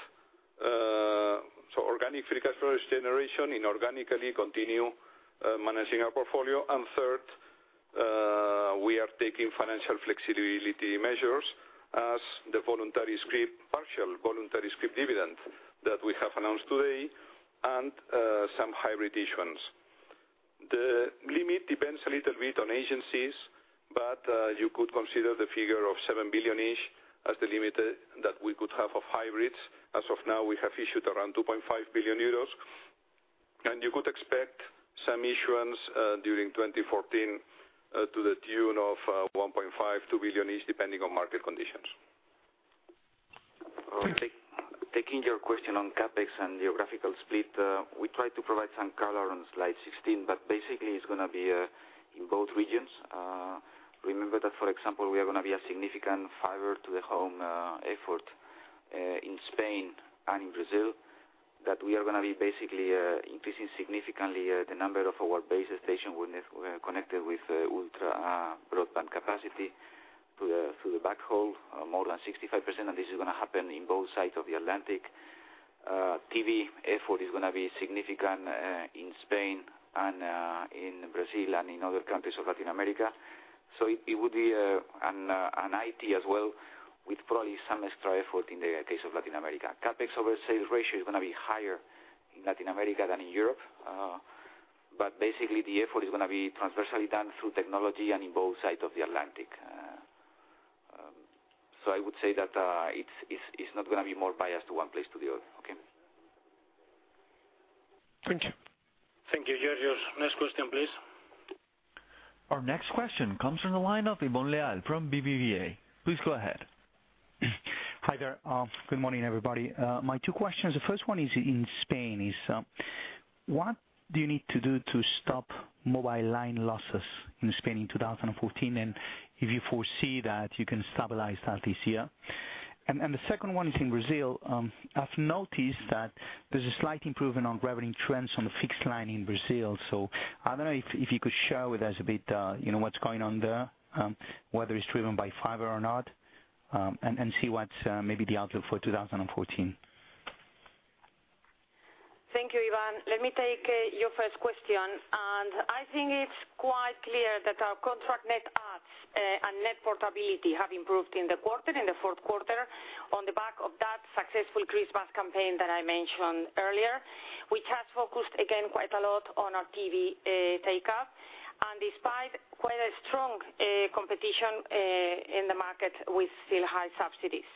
organic free cash flow generation, inorganically continue managing our portfolio. Third, we are taking financial flexibility measures as the partial voluntary scrip dividend that we have announced today and some hybrid issuance. The limit depends a little bit on agencies, but you could consider the figure of 7 billion-ish as the limit that we could have of hybrids. As of now, we have issued around 2.5 billion euros. You could expect some issuance during 2014 to the tune of 1.5 billion, 2 billion each, depending on market conditions. Taking your question on CapEx and geographical split, we try to provide some color on slide 16, but basically, it's going to be in both regions. Remember that, for example, we are going to be a significant fiber to the home effort, in Spain and in Brazil, that we are going to be basically increasing significantly the number of our base station connected with ultra broadband capacity through the backhaul, more than 65%, and this is going to happen in both sides of the Atlantic. TV effort is going to be significant in Spain and in Brazil and in other countries of Latin America. It would be an IT as well, with probably some extra effort in the case of Latin America. CapEx over sales ratio is going to be higher in Latin America than in Europe. Basically, the effort is going to be transversely done through technology and in both sides of the Atlantic. I would say that it's not going to be more biased to one place to the other. Okay. Thank you. Thank you, Georgios. Next question, please. Our next question comes from the line of Ivón Leal from BBVA. Please go ahead. Hi there. Good morning, everybody. My two questions, the first one is in Spain, is what do you need to do to stop mobile line losses in Spain in 2014? If you foresee that you can stabilize that this year? The second one is in Brazil. I've noticed that there's a slight improvement on revenue trends on the fixed line in Brazil. I don't know if you could share with us a bit what's going on there, whether it's driven by fiber or not, and see what's maybe the outlook for 2014. Thank you, Ivón. Let me take your first question. I think it's quite clear that our contract net adds and net portability have improved in the fourth quarter on the back of that successful Christmas campaign that I mentioned earlier, which has focused, again, quite a lot on our TV take-up. Despite quite a strong competition in the market with still high subsidies.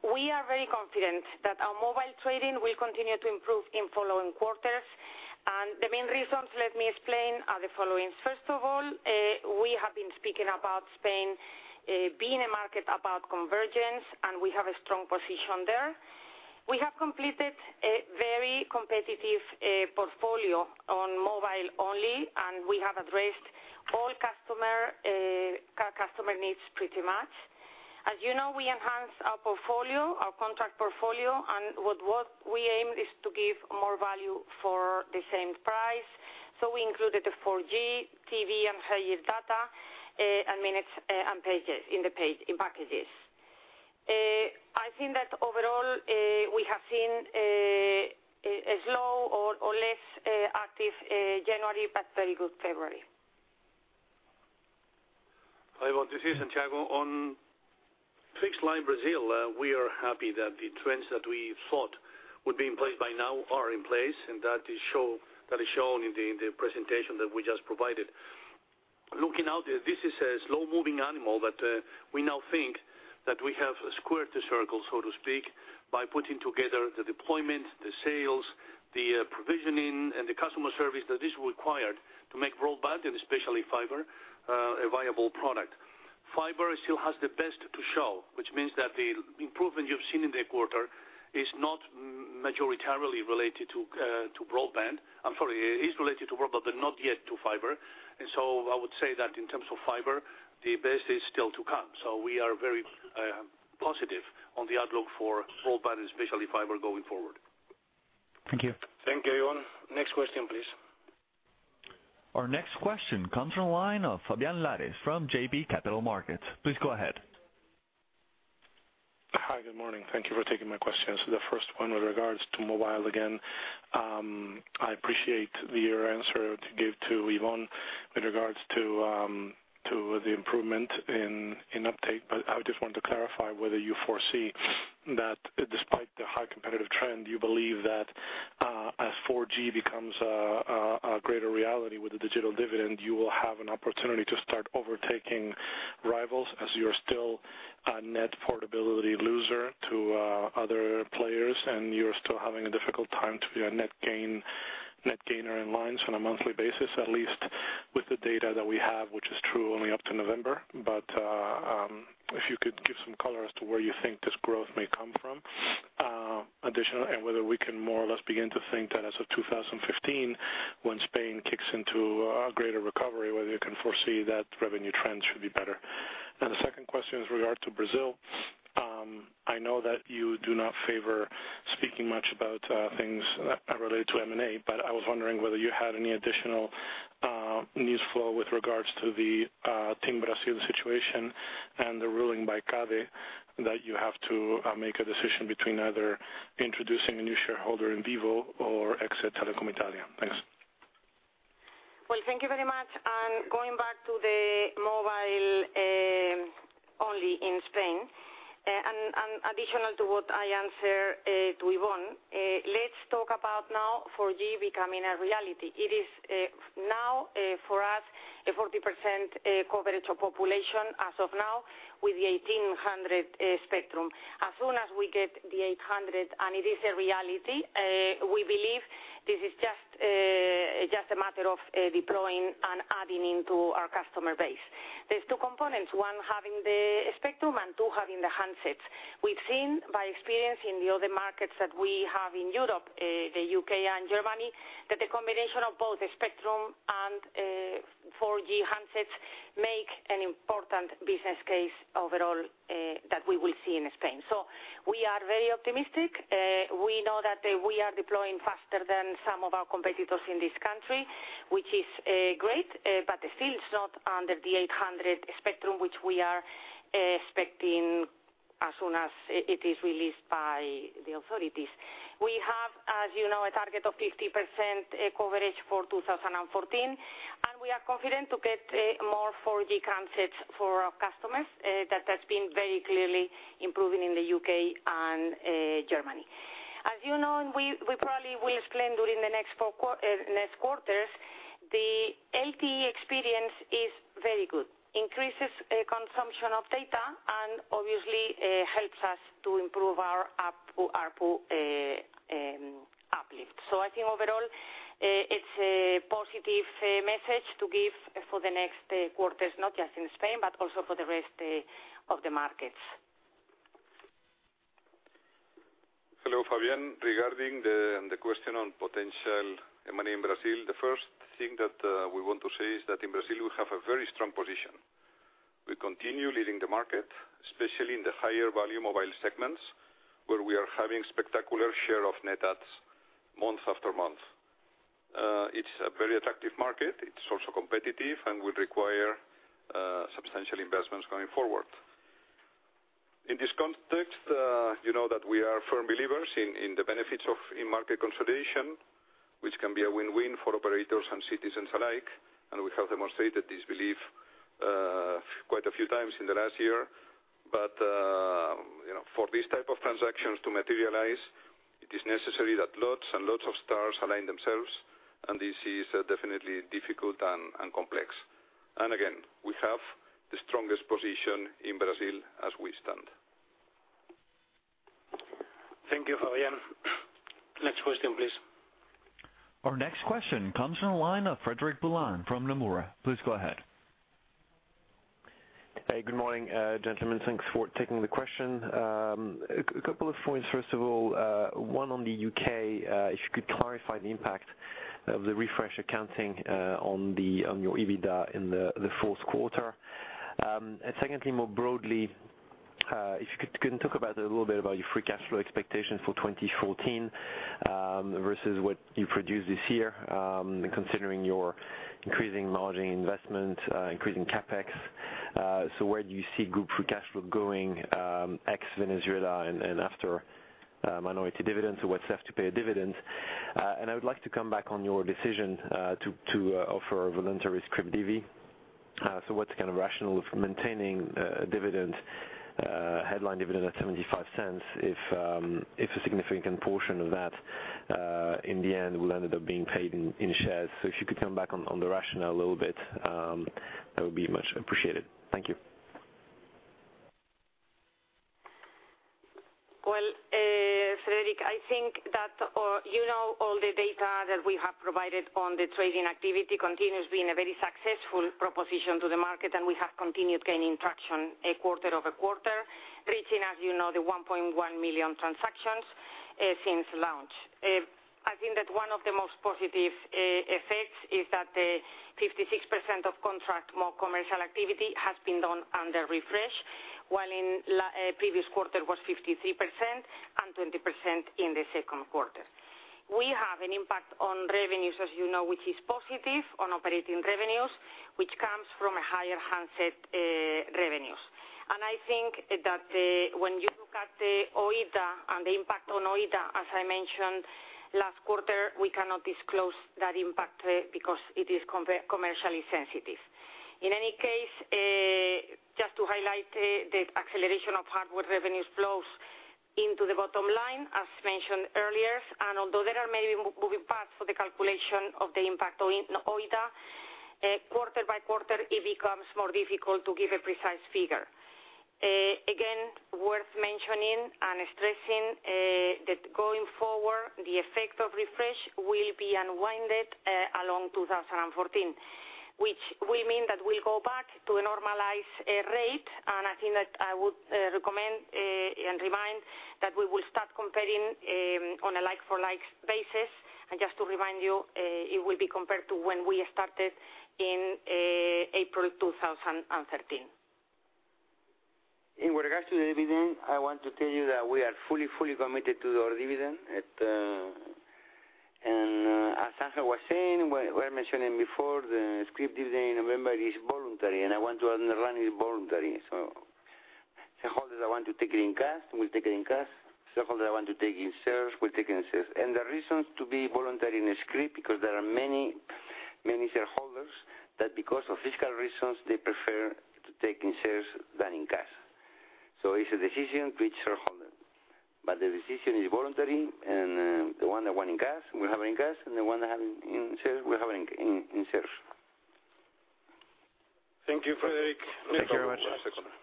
We are very confident that our mobile trading will continue to improve in following quarters. The main reasons, let me explain, are the following. First of all, we have been speaking about Spain being a market about convergence, and we have a strong position there. We have completed a very competitive portfolio on mobile only, and we have addressed all customer needs pretty much. As you know, we enhanced our contract portfolio, and what we aim is to give more value for the same price. We included the 4G, TV, and higher data, and minutes, and pages in packages. I think that overall, we have seen a slow or less active January, but very good February. Hi, everyone. This is Santiago. On fixed line Brazil, we are happy that the trends that we thought would be in place by now are in place, and that is shown in the presentation that we just provided. Looking out, this is a slow-moving animal, but we now think that we have squared the circle, so to speak, by putting together the deployment, the sales, the provisioning, and the customer service that is required to make broadband, and especially fiber, a viable product. Fiber still has the best to show, which means that the improvement you've seen in the quarter is related to broadband, but not yet to fiber. I would say that in terms of fiber, the best is still to come. We are very positive on the outlook for broadband, especially fiber, going forward. Thank you. Thank you, Ivón. Next question, please. Our next question comes from the line of Fabián Lares from JB Capital Markets. Please go ahead. Hi, good morning. Thank you for taking my questions. The first one with regards to mobile again. I appreciate your answer to give to Ivón with regards to the improvement in uptake, I just wanted to clarify whether you foresee that despite the high competitive trend, you believe that as 4G becomes a greater reality with the digital dividend, you will have an opportunity to start overtaking rivals as you're still a net portability loser to other players, and you're still having a difficult time to be a net gainer in lines on a monthly basis, at least with the data that we have, which is true only up to November. If you could give some color as to where you think this growth may come from additionally, and whether we can more or less begin to think that as of 2015, when Spain kicks into a greater recovery, whether you can foresee that revenue trends should be better. The second question is regard to Brazil. I know that you do not favor speaking much about things related to M&A, but I was wondering whether you had any additional news flow with regards to the TIM Brasil situation and the ruling by CADE that you have to make a decision between either introducing a new shareholder in Vivo or exit Telecom Italia. Thanks. Well, thank you very much. Going back to the mobile only in Spain, and additional to what I answered to Ivón, let's talk about now 4G becoming a reality. It is now, for us, a 40% coverage of population as of now with the 1800 spectrum. As soon as we get the 800 and it is a reality, we believe this is just a matter of deploying and adding into our customer base. There's two components, one, having the spectrum, and two, having the handsets. We've seen by experience in the other markets that we have in Europe, the U.K., and Germany, that the combination of both the spectrum and 4G handsets make an important business case overall that we will see in Spain. We are very optimistic. We know that we are deploying faster than some of our competitors in this country, which is great. Still it's not under the 800 spectrum, which we are expecting as soon as it is released by the authorities. We have, as you know, a target of 50% coverage for 2014, and we are confident to get more 4G concepts for our customers. That's been very clearly improving in the U.K. and Germany. As you know, and we probably will explain during the next quarters, the LTE experience is very good. Increases consumption of data and obviously helps us to improve our ARPU uplift. I think overall, it's a positive message to give for the next quarters, not just in Spain, but also for the rest of the markets. Hello, Fabián. Regarding the question on potential M&A in Brazil, the first thing that we want to say is that in Brazil, we have a very strong position. We continue leading the market, especially in the higher value mobile segments, where we are having spectacular share of net adds month after month. It's a very attractive market. It's also competitive and will require substantial investments going forward. In this context, you know that we are firm believers in the benefits of in-market consolidation, which can be a win-win for operators and citizens alike. We have demonstrated this belief quite a few times in the last year. For these type of transactions to materialize, it is necessary that lots and lots of stars align themselves. This is definitely difficult and complex. Again, we have the strongest position in Brazil as we stand. Thank you, Fabián. Next question, please. Our next question comes from the line of Frédéric Boulan from Nomura. Please go ahead. Hey, good morning, gentlemen. Thanks for taking the question. A couple of points, first of all. One on the U.K., if you could clarify the impact of the refresh accounting on your EBITDA in the fourth quarter. Secondly, more broadly, if you can talk a little bit about your free cash flow expectations for 2014 versus what you produced this year, considering your increasing margin investment, increasing CapEx. Where do you see group free cash flow going ex Venezuela and after minority dividends, or what's left to pay a dividend? I would like to come back on your decision to offer a voluntary scrip divvy. What's the rationale of maintaining a headline dividend at 0.75 if a significant portion of that, in the end, will end up being paid in shares? If you could come back on the rationale a little bit, that would be much appreciated. Thank you. Well, Frédéric, I think that you know all the data that we have provided on the trading activity continues being a very successful proposition to the market, and we have continued gaining traction quarter-over-quarter, reaching, as you know, the 1.1 million transactions since launch. I think that one of the most positive effects is that 56% of contract more commercial activity has been done under Refresh, while in the previous quarter it was 53% and 20% in the second quarter. We have an impact on revenues, as you know, which is positive on operating revenues, which comes from higher handset revenues. I think that when you look at the OIBDA and the impact on OIBDA, as I mentioned last quarter, we cannot disclose that impact because it is commercially sensitive. In any case, just to highlight the acceleration of hardware revenues flows into the bottom line, as mentioned earlier, and although there are many moving parts for the calculation of the impact on OIBDA, quarter-by-quarter, it becomes more difficult to give a precise figure. Worth mentioning and stressing that going forward, the effect of Refresh will be unwinded along 2014, which will mean that we'll go back to a normalized rate. I think that I would recommend and remind that we will start comparing on a like-for-like basis. Just to remind you, it will be compared to when we started in April 2013. In regards to the dividend, I want to tell you that we are fully committed to our dividend. As Ángel was saying, we were mentioning before, the scrip dividend in November is voluntary, and I want to underline it's voluntary. Shareholders that want to take it in cash, will take it in cash. Shareholders that want to take it in shares, will take it in shares. The reasons to be voluntary in a scrip, because there are many shareholders that, because of fiscal reasons, they prefer to take in shares than in cash. It's a decision to each shareholder, but the decision is voluntary, and the one that want in cash, will have it in cash, and the one that want it in shares will have it in shares. Thank you, Frédéric. Thank you very much.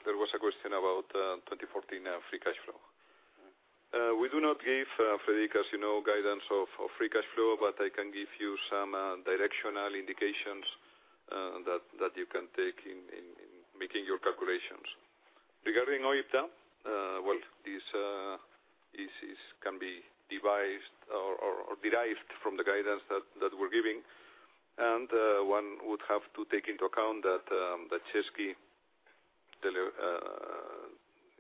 There was a question about 2014 free cash flow. We do not give, Frédéric, as you know, guidance of free cash flow, but I can give you some directional indications that you can take in making your calculations. Regarding OIBDA, well, this can be devised or derived from the guidance that we're giving. One would have to take into account that Cesky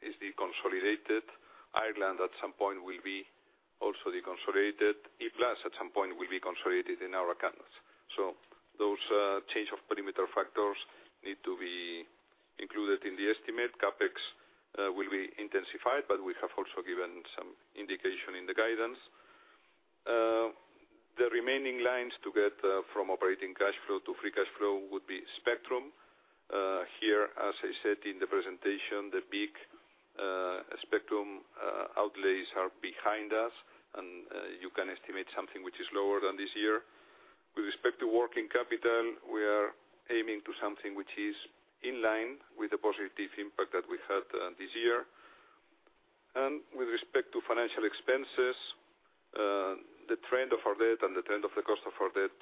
is deconsolidated. Ireland, at some point, will be also deconsolidated. E-Plus, at some point, will be consolidated in our accounts. Those change of perimeter factors need to be included in the estimate. CapEx will be intensified, but we have also given some indication in the guidance. The remaining lines to get from operating cash flow to free cash flow would be spectrum. Here, as I said in the presentation, the big spectrum outlays are behind us. You can estimate something which is lower than this year. With respect to working capital, we are aiming to something which is in line with the positive impact that we had this year. With respect to financial expenses, the trend of our debt and the trend of the cost of our debt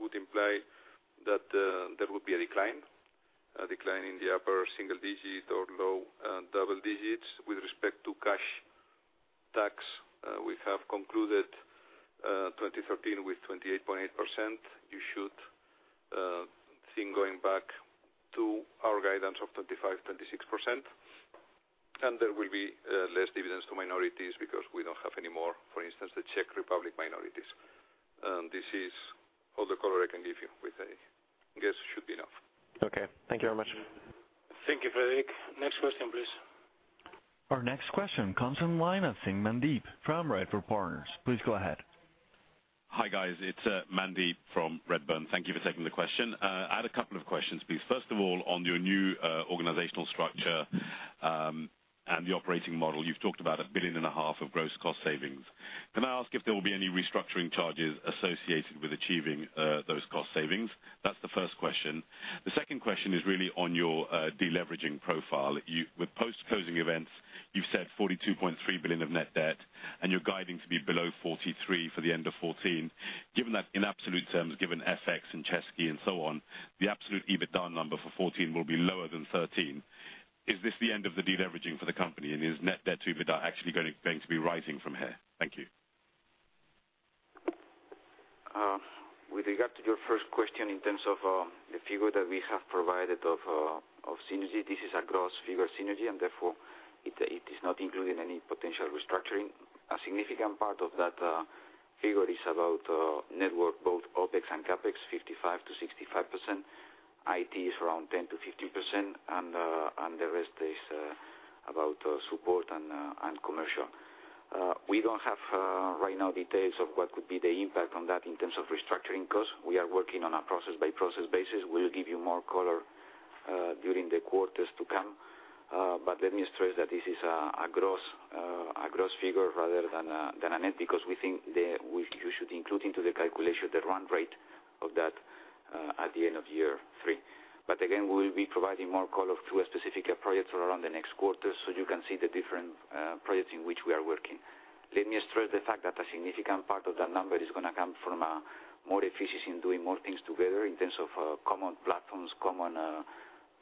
would imply that there would be a decline in the upper single digit or low double digits. With respect to cash tax, we have concluded 2013 with 28.8%. You should think going back to our guidance of 25%-26%. There will be less dividends to minorities because we don't have any more, for instance, the Czech Republic minorities. This is all the color I can give you. I guess it should be enough. Okay. Thank you very much. Thank you, Frédéric. Next question, please. Our next question comes from the line of Mandeep from Redburn Partners. Please go ahead. Hi, guys. It's Mandeep from Redburn. Thank you for taking the question. I had a couple of questions, please. First of all, on your new organizational structure, and the operating model, you've talked about a billion and a half EUR of gross cost savings. Can I ask if there will be any restructuring charges associated with achieving those cost savings? That's the first question. The second question is really on your de-leveraging profile. With post-closing events, you've said 42.3 billion of net debt, and you're guiding to be below 43 billion for the end of 2014. Given that in absolute terms, given FX and Czech and so on, the absolute EBITDA number for 2014 will be lower than 2013. Is this the end of the de-leveraging for the company, and is net debt to EBITDA actually going to be rising from here? Thank you. With regard to your first question in terms of the figure that we have provided of synergy, this is a gross figure synergy, and therefore it is not including any potential restructuring. A significant part of that figure is about network, both OpEx and CapEx, 55%-65%. IT is around 10%-15%, and the rest is about support and commercial. We don't have right now details of what could be the impact on that in terms of restructuring costs. We are working on a process-by-process basis. We'll give you more color during the quarters to come. Let me stress that this is a gross figure rather than a net, because we think that you should include into the calculation the run rate of that at the end of year three. Again, we'll be providing more color to a specific project around the next quarter so you can see the different projects in which we are working. Let me stress the fact that a significant part of that number is going to come from more efficiency in doing more things together in terms of common platforms, common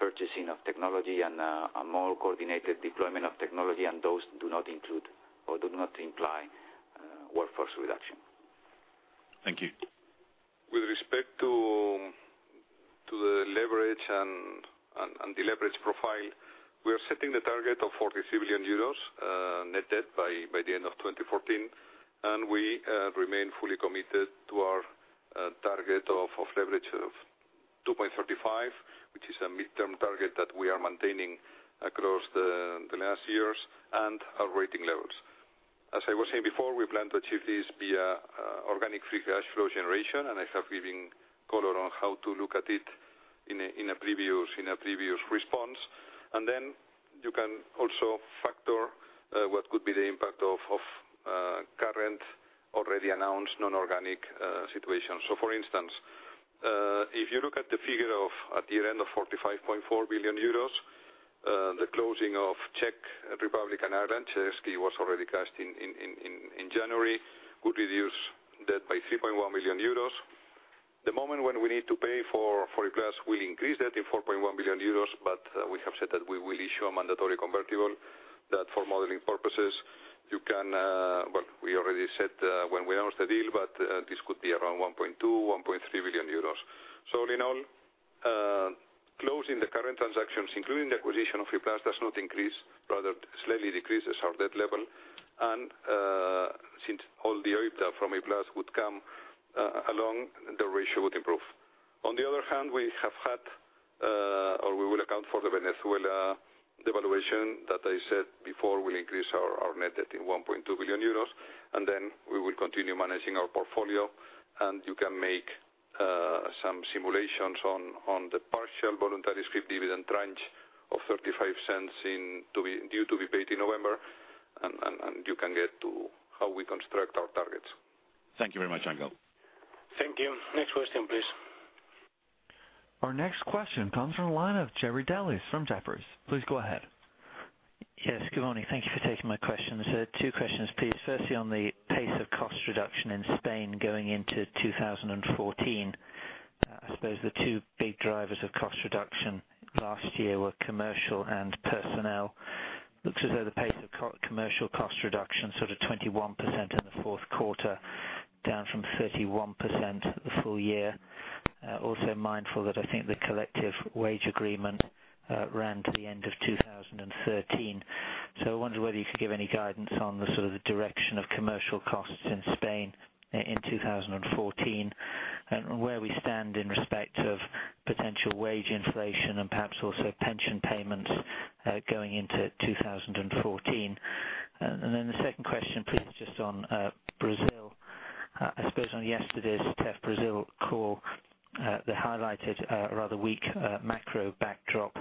purchasing of technology, and a more coordinated deployment of technology, and those do not include or do not imply workforce reduction. Thank you. With respect to the leverage and deleverage profile, we are setting the target of 43 billion euros net debt by the end of 2014, and we remain fully committed to our target of leverage of 2.35, which is a midterm target that we are maintaining across the last years and our rating levels. As I was saying before, we plan to achieve this via organic free cash flow generation, and I have given color on how to look at it in a previous response. Then you can also factor what could be the impact of current already announced non-organic situations. For instance, if you look at the figure of at the end of 45.4 billion euros, the closing of Czech Republic and Ireland, Czech was already cast in January, could reduce debt by 3.1 billion euros. The moment when we need to pay for E-Plus, we'll increase that in 4.1 billion euros. We have said that we will issue a mandatory convertible that for modeling purposes, we already said when we announced the deal. This could be around 1.2 billion-1.3 billion euros. In all, closing the current transactions, including the acquisition of E-Plus, does not increase, rather slightly decreases our debt level. Since all the EBITDA from E-Plus would come along, the ratio would improve. On the other hand, we have had, or we will account for the Venezuela devaluation that I said before will increase our net debt in 1.2 billion euros. We will continue managing our portfolio. You can make some simulations on the partial voluntary scrip dividend tranche of 0.35 due to be paid in November. You can get to how we construct our targets. Thank you very much, Ángel. Thank you. Next question, please. Our next question comes from the line of Jerry Dellis from Jefferies. Please go ahead. Yes, good morning. Thank you for taking my questions. Two questions, please. Firstly, on the pace of cost reduction in Spain going into 2014. I suppose the two big drivers of cost reduction last year were commercial and personnel. Looks as though the pace of commercial cost reduction sort of 21% in the fourth quarter, down from 31% the full year. Also mindful that I think the collective wage agreement ran to the end of 2013. I wonder whether you could give any guidance on the sort of direction of commercial costs in Spain in 2014, and where we stand in respect of potential wage inflation and perhaps also pension payments going into 2014. The second question, please, just on Brazil. I suppose on yesterday's Tef Brazil call, they highlighted a rather weak macro backdrop.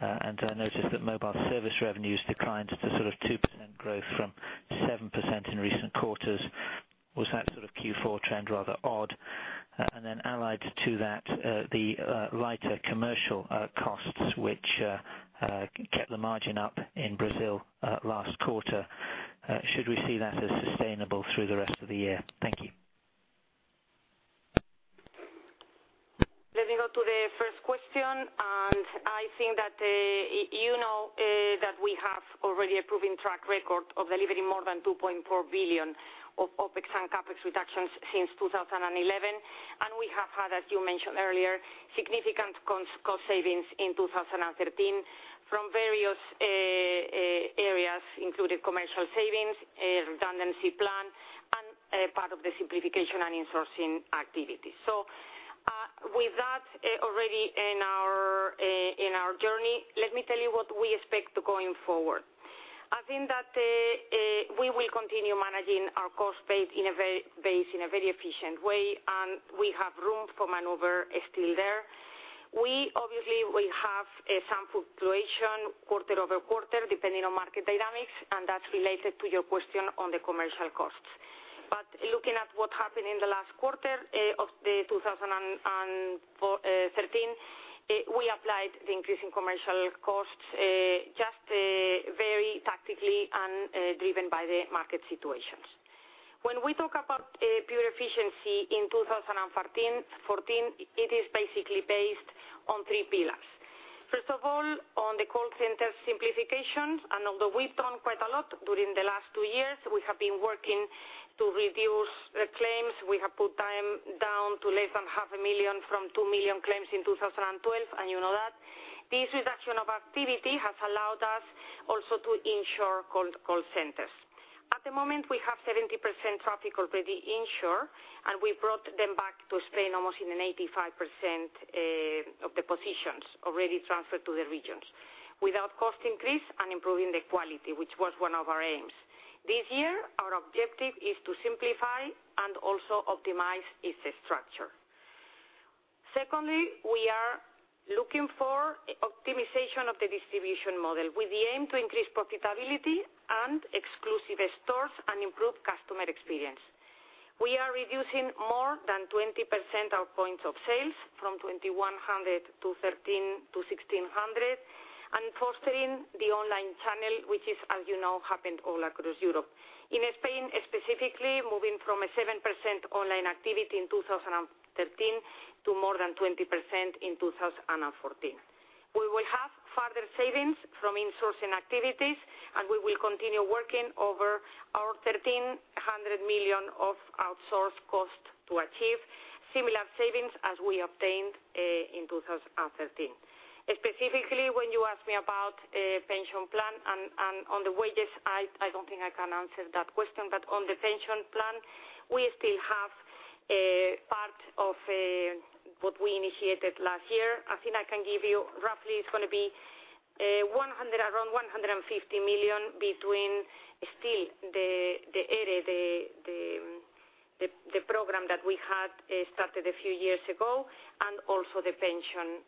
I noticed that mobile service revenues declined to sort of 2% growth from 7% in recent quarters. Was that sort of Q4 trend rather odd? Allied to that, the lighter commercial costs, which kept the margin up in Brazil last quarter. Should we see that as sustainable through the rest of the year? Thank you. Let me go to the first question. I think that you know that we have already a proven track record of delivering more than 2.4 billion of OpEx and CapEx reductions since 2011. We have had, as you mentioned earlier, significant cost savings in 2013 from various areas, including commercial savings, a redundancy plan, and part of the simplification and insourcing activities. With that already in our journey, let me tell you what we expect going forward. I think that we will continue managing our cost base in a very efficient way, and we have room for maneuver still there. We obviously will have some fluctuation quarter-over-quarter, depending on market dynamics, and that's related to your question on the commercial costs. Looking at what happened in the last quarter of 2013, we applied the increase in commercial costs just very tactically and driven by the market situations. When we talk about pure efficiency in 2014, it is basically based on three pillars. First of all, on the call center simplifications, and although we've done quite a lot during the last two years, we have been working to reduce claims. We have put them down to less than half a million from 2 million claims in 2012, and you know that. This reduction of activity has allowed us also to insource call centers. At the moment, we have 70% traffic already insourced, and we brought them back to Spain almost in an 85% of the positions already transferred to the regions, without cost increase and improving the quality, which was one of our aims. This year, our objective is to simplify and also optimize its structure. Secondly, we are looking for optimization of the distribution model with the aim to increase profitability and exclusive stores and improve customer experience. We are reducing more than 20% our points of sales, from 2,100 to 1,600, and fostering the online channel, which is, as you know, happened all across Europe. In Spain, specifically, moving from a 7% online activity in 2013 to more than 20% in 2014. We will have further savings from insourcing activities, and we will continue working over our 1,300 million of outsourced cost to achieve similar savings as we obtained in 2013. Specifically, when you ask me about pension plan and on the wages, I don't think I can answer that question. On the pension plan, we still have part of what we initiated last year. I think I can give you roughly, it's going to be around 150 million between still the ERE, the program that we had started a few years ago, and also the pension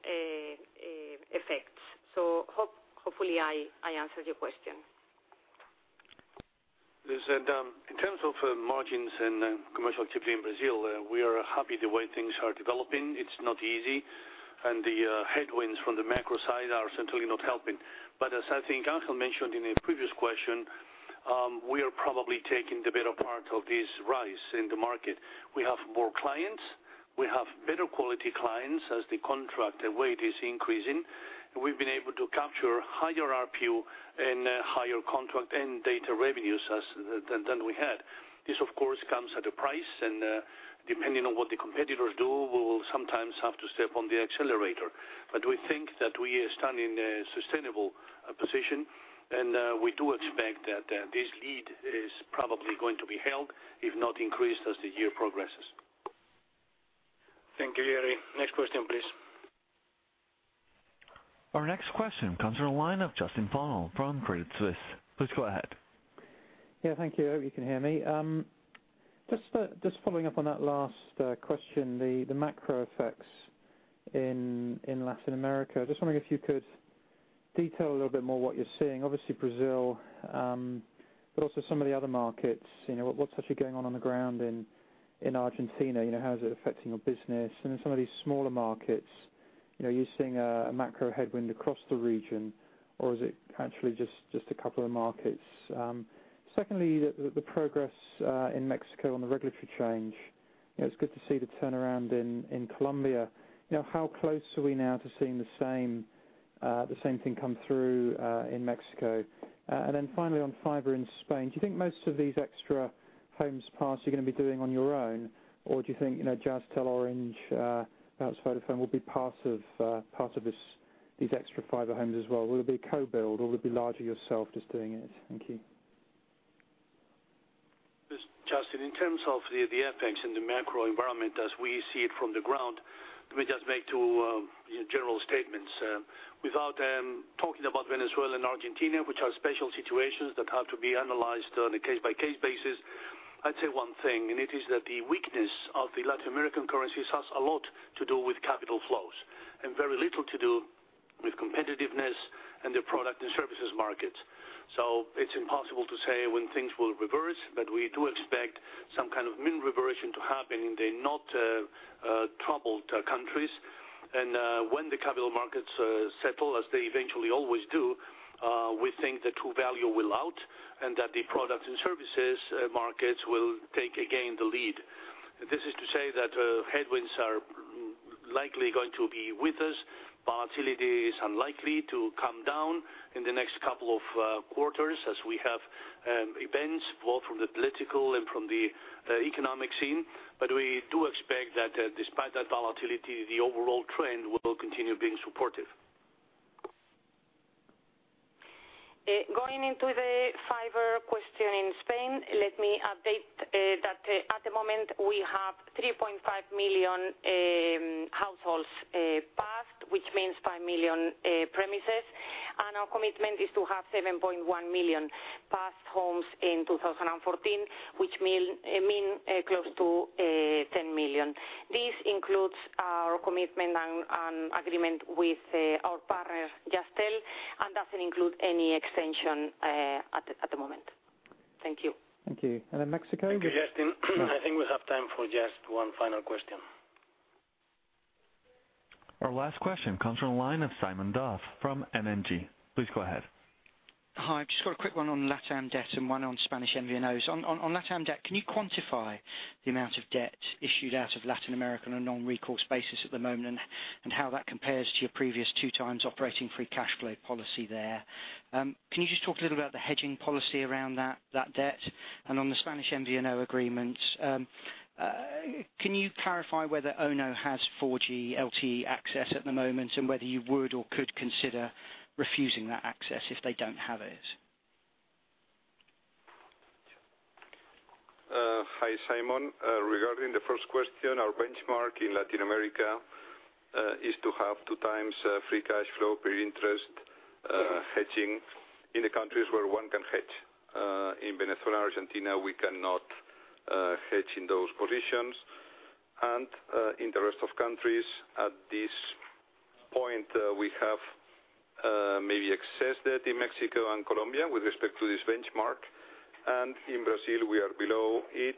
effects. Hopefully, I answered your question. Listen, in terms of margins and commercial activity in Brazil, we are happy the way things are developing. It's not easy, and the headwinds from the macro side are certainly not helping. As I think Ángel mentioned in a previous question, we are probably taking the better part of this rise in the market. We have more clients, we have better quality clients as the contract weight is increasing. We've been able to capture higher ARPU and higher contract and data revenues than we had. This, of course, comes at a price, and depending on what the competitors do, we will sometimes have to step on the accelerator. We think that we stand in a sustainable position, and we do expect that this lead is probably going to be held, if not increased, as the year progresses. Thank you, Jerry. Next question, please. Our next question comes from the line of Justin Funnell from Credit Suisse. Please go ahead. Yeah, thank you. I hope you can hear me. Just following up on that last question, the macro effects in Latin America. Just wondering if you could detail a little bit more what you're seeing. Obviously, Brazil, but also some of the other markets. What's actually going on on the ground in Argentina? How is it affecting your business? In some of these smaller markets, are you seeing a macro headwind across the region, or is it actually just a couple of markets? Secondly, the progress in Mexico on the regulatory change. It's good to see the turnaround in Colombia. How close are we now to seeing the same thing come through in Mexico? Finally on fiber in Spain, do you think most of these extra homes passed you're going to be doing on your own? Do you think Jazztel, Orange, perhaps Vodafone will be part of these extra fiber homes as well? Will it be co-build or will it be largely yourself just doing it? Thank you. Justin, in terms of the effects in the macro environment as we see it from the ground, let me just make two general statements. Without talking about Venezuela and Argentina, which are special situations that have to be analyzed on a case-by-case basis, I'd say one thing, and it is that the weakness of the Latin American currencies has a lot to do with capital flows and very little to do with competitiveness and the product and services markets. It's impossible to say when things will reverse, but we do expect some kind of mean reversion to happen in the not troubled countries. When the capital markets settle, as they eventually always do, we think the true value will out, and that the product and services markets will take again the lead. This is to say that headwinds are likely going to be with us. Volatility is unlikely to come down in the next couple of quarters as we have events, both from the political and from the economic scene. We do expect that despite that volatility, the overall trend will continue being supportive. Going into the fiber question in Spain, let me update that at the moment, we have 3.5 million households passed, which means 5 million premises. Our commitment is to have 7.1 million passed homes in 2014, which means close to 10 million. This includes our commitment and agreement with our partner, Jazztel, doesn't include any extension at the moment. Thank you. Thank you. Mexico? Thank you, Justin. I think we have time for just one final question. Our last question comes from the line of Simon Duff from M&G. Please go ahead. Hi. Just got a quick one on LatAm debt and one on Spanish MVNOs. On LatAm debt, can you quantify the amount of debt issued out of Latin America on a non-recourse basis at the moment and how that compares to your previous two times operating free cash flow policy there? Can you just talk a little about the hedging policy around that debt? On the Spanish MVNO agreements, can you clarify whether ONO has 4G LTE access at the moment and whether you would or could consider refusing that access if they don't have it? Hi, Simon. Regarding the first question, our benchmark in Latin America is to have two times free cash flow per interest hedging in the countries where one can hedge. In Venezuela, Argentina, we cannot hedge in those positions. In the rest of countries, at this point, we have maybe excess debt in Mexico and Colombia with respect to this benchmark, and in Brazil, we are below it,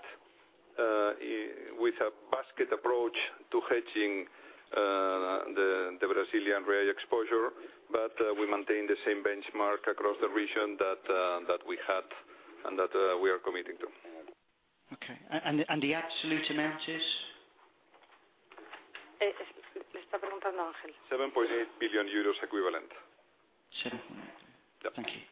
with a basket approach to hedging the Brazilian real exposure. We maintain the same benchmark across the region that we had and that we are committing to. Okay. The absolute amount is? 7.8 billion euros equivalent. 7.8. Yeah. Thank you.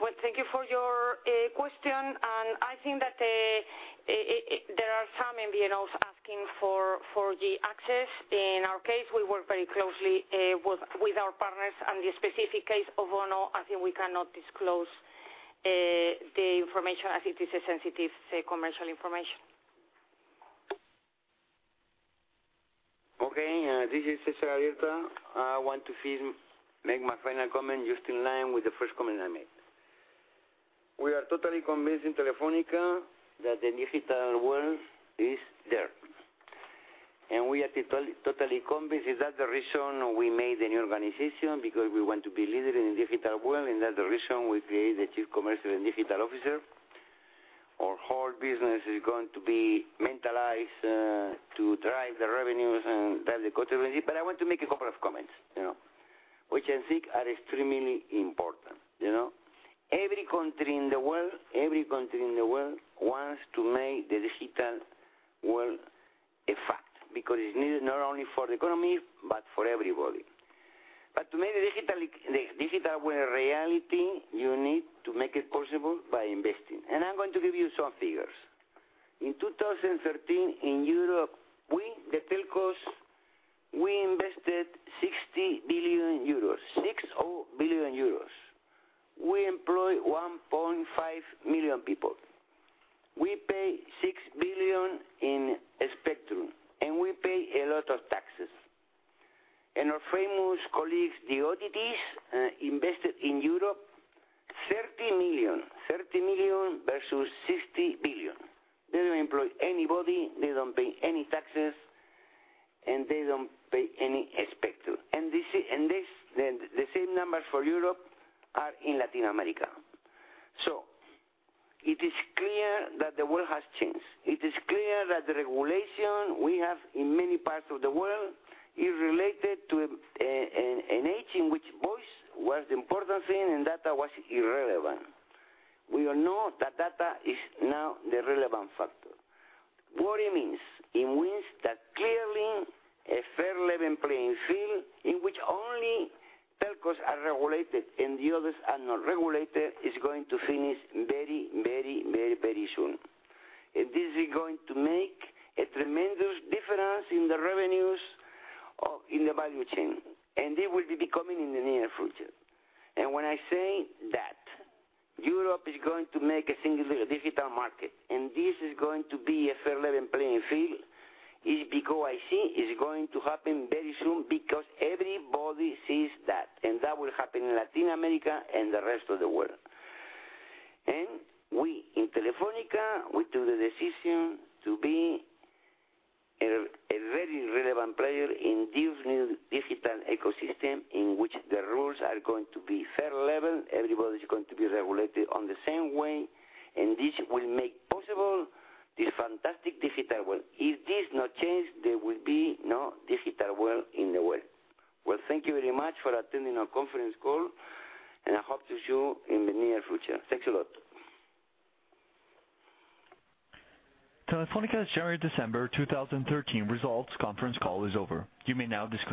Well, thank you for your question. I think that there are some MVNOs asking for 4G access. In our case, we work very closely with our partners. On the specific case of ONO, I think we cannot disclose the information, as it is sensitive commercial information. Okay. This is César Alierta. I want to make my final comment just in line with the first comment I made. We are totally convinced in Telefónica that the digital world is there. We are totally convinced that is the reason we made the new organization, because we want to be leader in the digital world, and that's the reason we created the chief commercial and digital officer. Our whole business is going to be mentalized to drive the revenues and drive the profitability. I want to make a couple of comments, which I think are extremely important. Every country in the world wants to make the digital world a fact, because it's needed not only for the economy but for everybody. To make the digital world a reality, you need to make it possible by investing, and I'm going to give you some figures. In 2013 in Europe, we, the telcos, invested EUR 60 billion. We employ 1.5 million people. We pay 6 billion in spectrum, and we pay a lot of taxes. Our famous colleagues, the OTTs, invested in Europe 30 million versus 60 billion. They don't employ anybody, they don't pay any taxes, and they don't pay any spectrum. The same numbers for Europe are in Latin America. It is clear that the world has changed. It is clear that the regulation we have in many parts of the world is related to an age in which voice was the important thing and data was irrelevant. We all know that data is now the relevant factor. What it means? It means that clearly a fair, level playing field in which only telcos are regulated and the others are not regulated is going to finish very soon. This is going to make a tremendous difference in the revenues in the value chain, and it will be coming in the near future. When I say that Europe is going to make a single digital market, and this is going to be a fair level playing field, it's because I see it's going to happen very soon because everybody sees that, and that will happen in Latin America and the rest of the world. We in Telefónica, we took the decision to be a very relevant player in this new digital ecosystem in which the rules are going to be fair level. Everybody's going to be regulated in the same way, and this will make possible this fantastic digital world. If this does not change, there will be no digital world in the world. Thank you very much for attending our conference call, and I hope to see you in the near future. Thanks a lot. Telefónica's January, December 2013 results conference call is over. You may now disconnect.